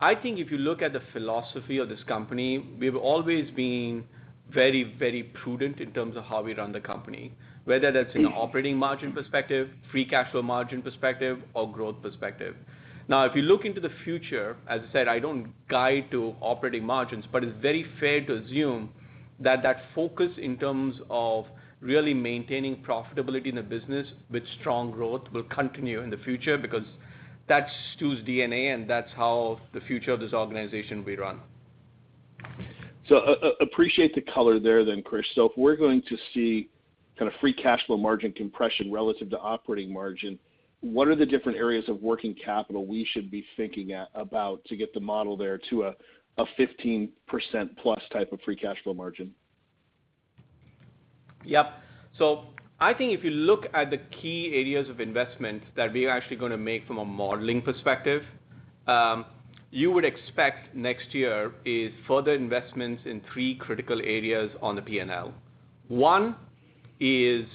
I think if you look at the philosophy of this company, we've always been very, very prudent in terms of how we run the company, whether that's in an operating margin perspective, free cash flow margin perspective or growth perspective. Now, if you look into the future, as I said, I don't guide to operating margins, but it's very fair to assume that that focus in terms of really maintaining profitability in the business with strong growth will continue in the future because that's Stu's DNA, and that's how the future of this organization will be run. Appreciate the color there then, Krish. If we're going to see kind of free cash flow margin compression relative to operating margin, what are the different areas of working capital we should be thinking about to get the model there to a 15%+ type of free cash flow margin? Yep. I think if you look at the key areas of investment that we are actually gonna make from a modeling perspective, you would expect next year is further investments in three critical areas on the P&L. One is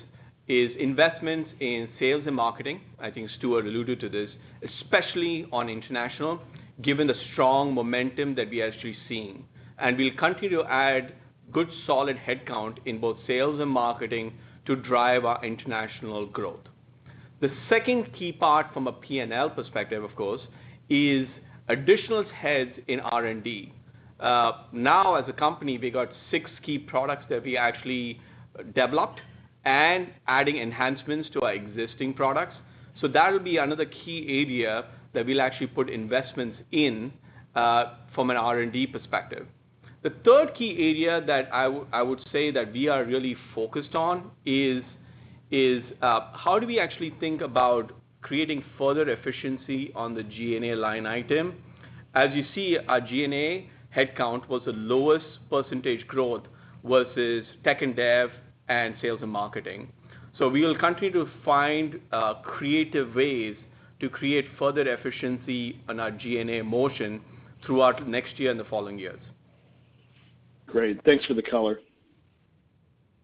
investment in sales and marketing. I think Stu alluded to this, especially on international, given the strong momentum that we actually seen. We'll continue to add good, solid headcount in both sales and marketing to drive our international growth. The second key part from a P&L perspective, of course, is additional heads in R&D. Now as a company, we got six key products that we actually developed and adding enhancements to our existing products. That'll be another key area that we'll actually put investments in, from an R&D perspective. The third key area that I would say that we are really focused on is how do we actually think about creating further efficiency on the G&A line item? As you see, our G&A headcount was the lowest percentage growth versus tech and dev and sales and marketing. We will continue to find creative ways to create further efficiency on our G&A motion throughout next year and the following years. Great. Thanks for the color.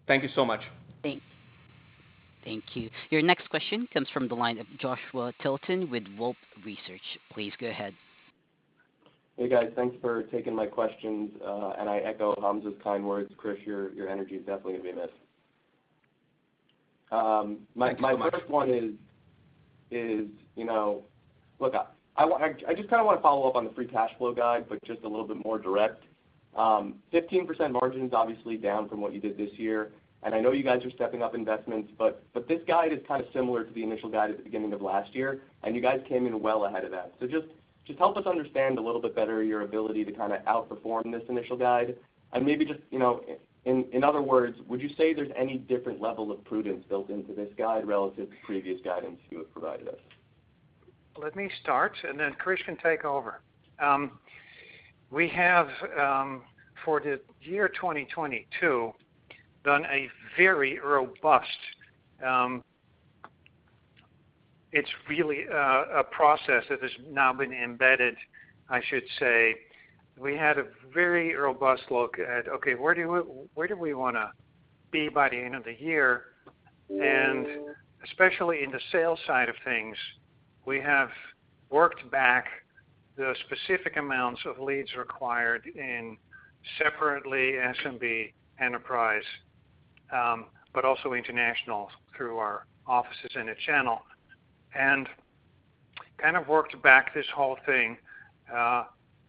Thank you so much. Thanks. Thank you. Your next question comes from the line of Joshua Tilton with Wolfe Research. Please go ahead. Hey, guys. Thanks for taking my questions. I echo Hamza's kind words. Krish, your energy is definitely gonna be missed. Thanks so much. My first one is, you know, look, I just kinda wanna follow up on the free cash flow guide, but just a little bit more direct. 15% margin is obviously down from what you did this year, and I know you guys are stepping up investments, but this guide is kind of similar to the initial guide at the beginning of last year, and you guys came in well ahead of that. Just help us understand a little bit better your ability to kinda outperform this initial guide. Maybe just, you know, in other words, would you say there's any different level of prudence built into this guide relative to previous guidance Stu provided us? Let me start and then Krish can take over. We have for the year 2022 done a very robust. It's really a process that has now been embedded, I should say. We had a very robust look at, okay, where do we wanna be by the end of the year? Especially in the sales side of things, we have worked back the specific amounts of leads required in separately SMB enterprise, but also international through our offices in the channel, and kind of worked back this whole thing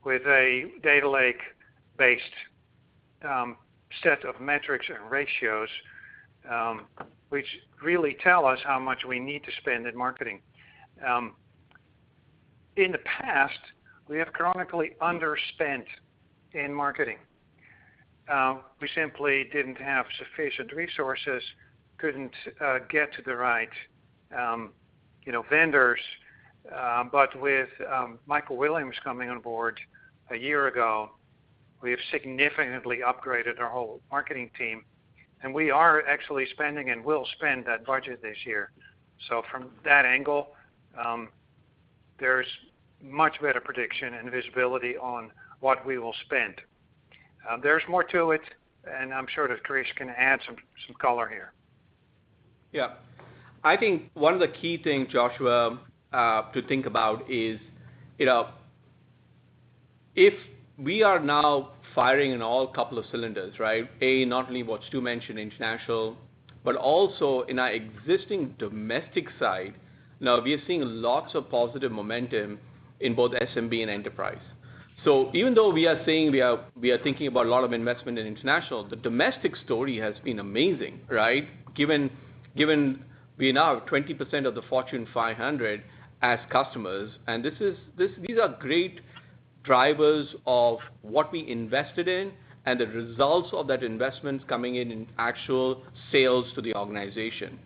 with a data lake-based set of metrics and ratios, which really tell us how much we need to spend in marketing. In the past, we have chronically underspent in marketing. We simply didn't have sufficient resources, couldn't get to the right, you know, vendors. With Michael Williams coming on board a year ago, we have significantly upgraded our whole marketing team, and we are actually spending and will spend that budget this year. From that angle, there's much better prediction and visibility on what we will spend. There's more to it, and I'm sure that Krish can add some color here. Yeah. I think one of the key things, Joshua, to think about is, you know, if we are now firing on all cylinders, right? Not only what Stu mentioned international, but also in our existing domestic side. Now, we are seeing lots of positive momentum in both SMB and enterprise. Even though we are saying we are thinking about a lot of investment in international, the domestic story has been amazing, right? Given we now have 20% of the Fortune 500 as customers, and these are great drivers of what we invested in and the results of that investment coming in actual sales to the organization.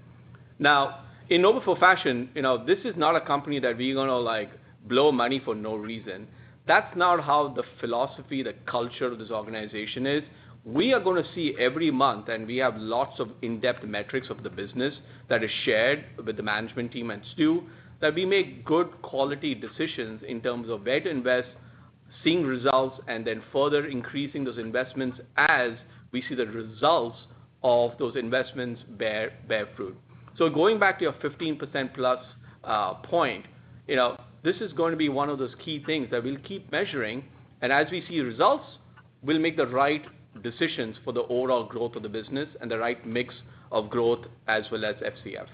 Now, in KnowBe4 fashion, you know, this is not a company that we're gonna like blow money for no reason. That's not how the philosophy, the culture of this organization is. We are gonna see every month, and we have lots of in-depth metrics of the business that is shared with the management team and Stu, that we make good quality decisions in terms of where to invest, seeing results, and then further increasing those investments as we see the results of those investments bear fruit. Going back to your 15%+ point, you know, this is going to be one of those key things that we'll keep measuring, and as we see results, we'll make the right decisions for the overall growth of the business and the right mix of growth as well as FCF.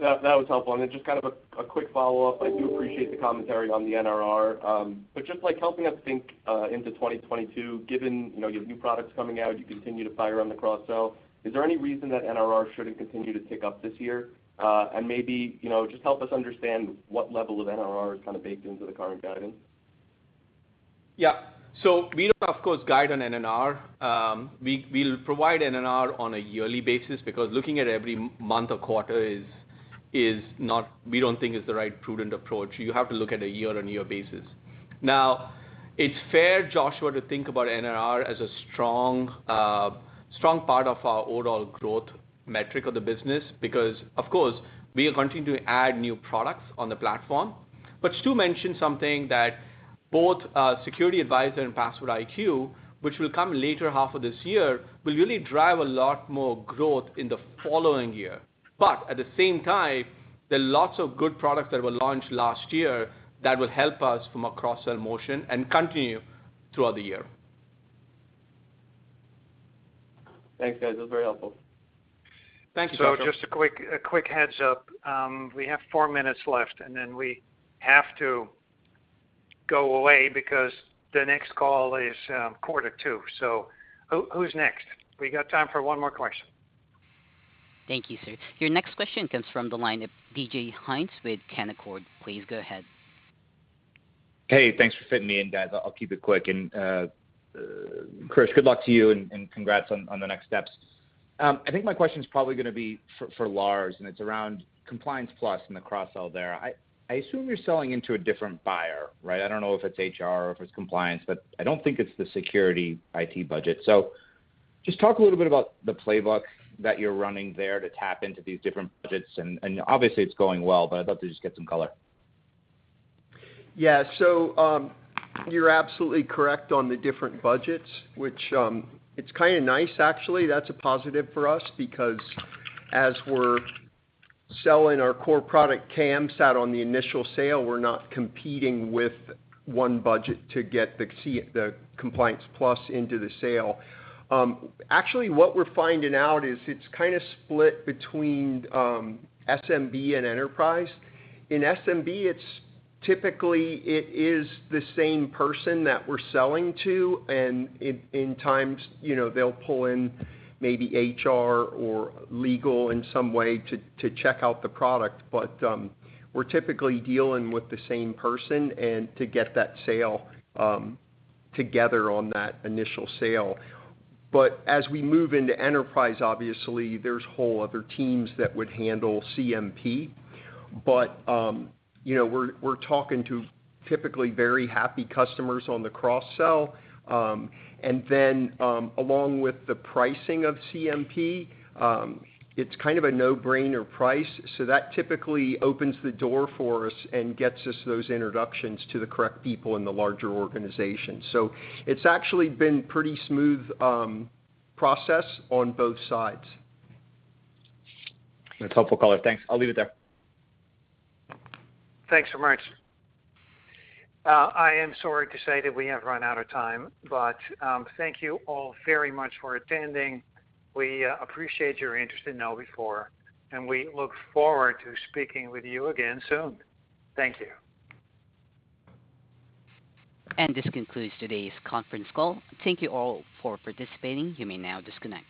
That was helpful. Just kind of a quick follow-up. I do appreciate the commentary on the NRR. Just like helping us think into 2022, given you know, you have new products coming out, you continue to fire on the cross-sell, is there any reason that NRR shouldn't continue to tick up this year? Maybe you know, just help us understand what level of NRR is kind of baked into the current guidance. Yeah. We don't, of course, guide on NRR. We'll provide NRR on a yearly basis because looking at every month or quarter is not the right prudent approach. We don't think it is. You have to look at a year-on-year basis. Now, it's fair, Joshua, to think about NRR as a strong part of our overall growth metric of the business because, of course, we are continuing to add new products on the platform. Stu mentioned something that both SecurityAdvisor and PasswordIQ, which will come latter half of this year, will really drive a lot more growth in the following year. At the same time, there are lots of good products that were launched last year that will help us from a cross-sell motion and continue throughout the year. Thanks, guys. That was very helpful. Thank you, Joshua. Just a quick heads up. We have four minutes left, and then we have to go away because the next call is quarter two. Who's next? We got time for one more question. Thank you, sir. Your next question comes from the line of DJ Hynes with Canaccord. Please go ahead. Hey, thanks for fitting me in, guys. I'll keep it quick. Krish, good luck to you and congrats on the next steps. I think my question is probably gonna be for Lars, and it's around Compliance Plus and the cross-sell there. I assume you're selling into a different buyer, right? I don't know if it's HR or if it's compliance, but I don't think it's the security IT budget. Just talk a little bit about the playbook that you're running there to tap into these different budgets. Obviously, it's going well, but I'd love to just get some color. Yeah. You're absolutely correct on the different budgets, which, it's kinda nice actually. That's a positive for us because as we're selling our core product, KMSAT on the initial sale, we're not competing with one budget to get the Compliance Plus into the sale. Actually, what we're finding out is it's kinda split between SMB and enterprise. In SMB, it's typically the same person that we're selling to, and at times, you know, they'll pull in maybe HR or legal in some way to check out the product. We're typically dealing with the same person and to get that sale together on that initial sale. As we move into enterprise, obviously, there's whole other teams that would handle compliance. You know, we're talking to typically very happy customers on the cross-sell. Along with the pricing of CMP, it's kind of a no-brainer price. That typically opens the door for us and gets us those introductions to the correct people in the larger organization. It's actually been pretty smooth process on both sides. That's helpful color. Thanks. I'll leave it there. Thanks so much. I am sorry to say that we have run out of time, but thank you all very much for attending. We appreciate your interest in KnowBe4, and we look forward to speaking with you again soon. Thank you. This concludes today's conference call. Thank you all for participating. You may now disconnect.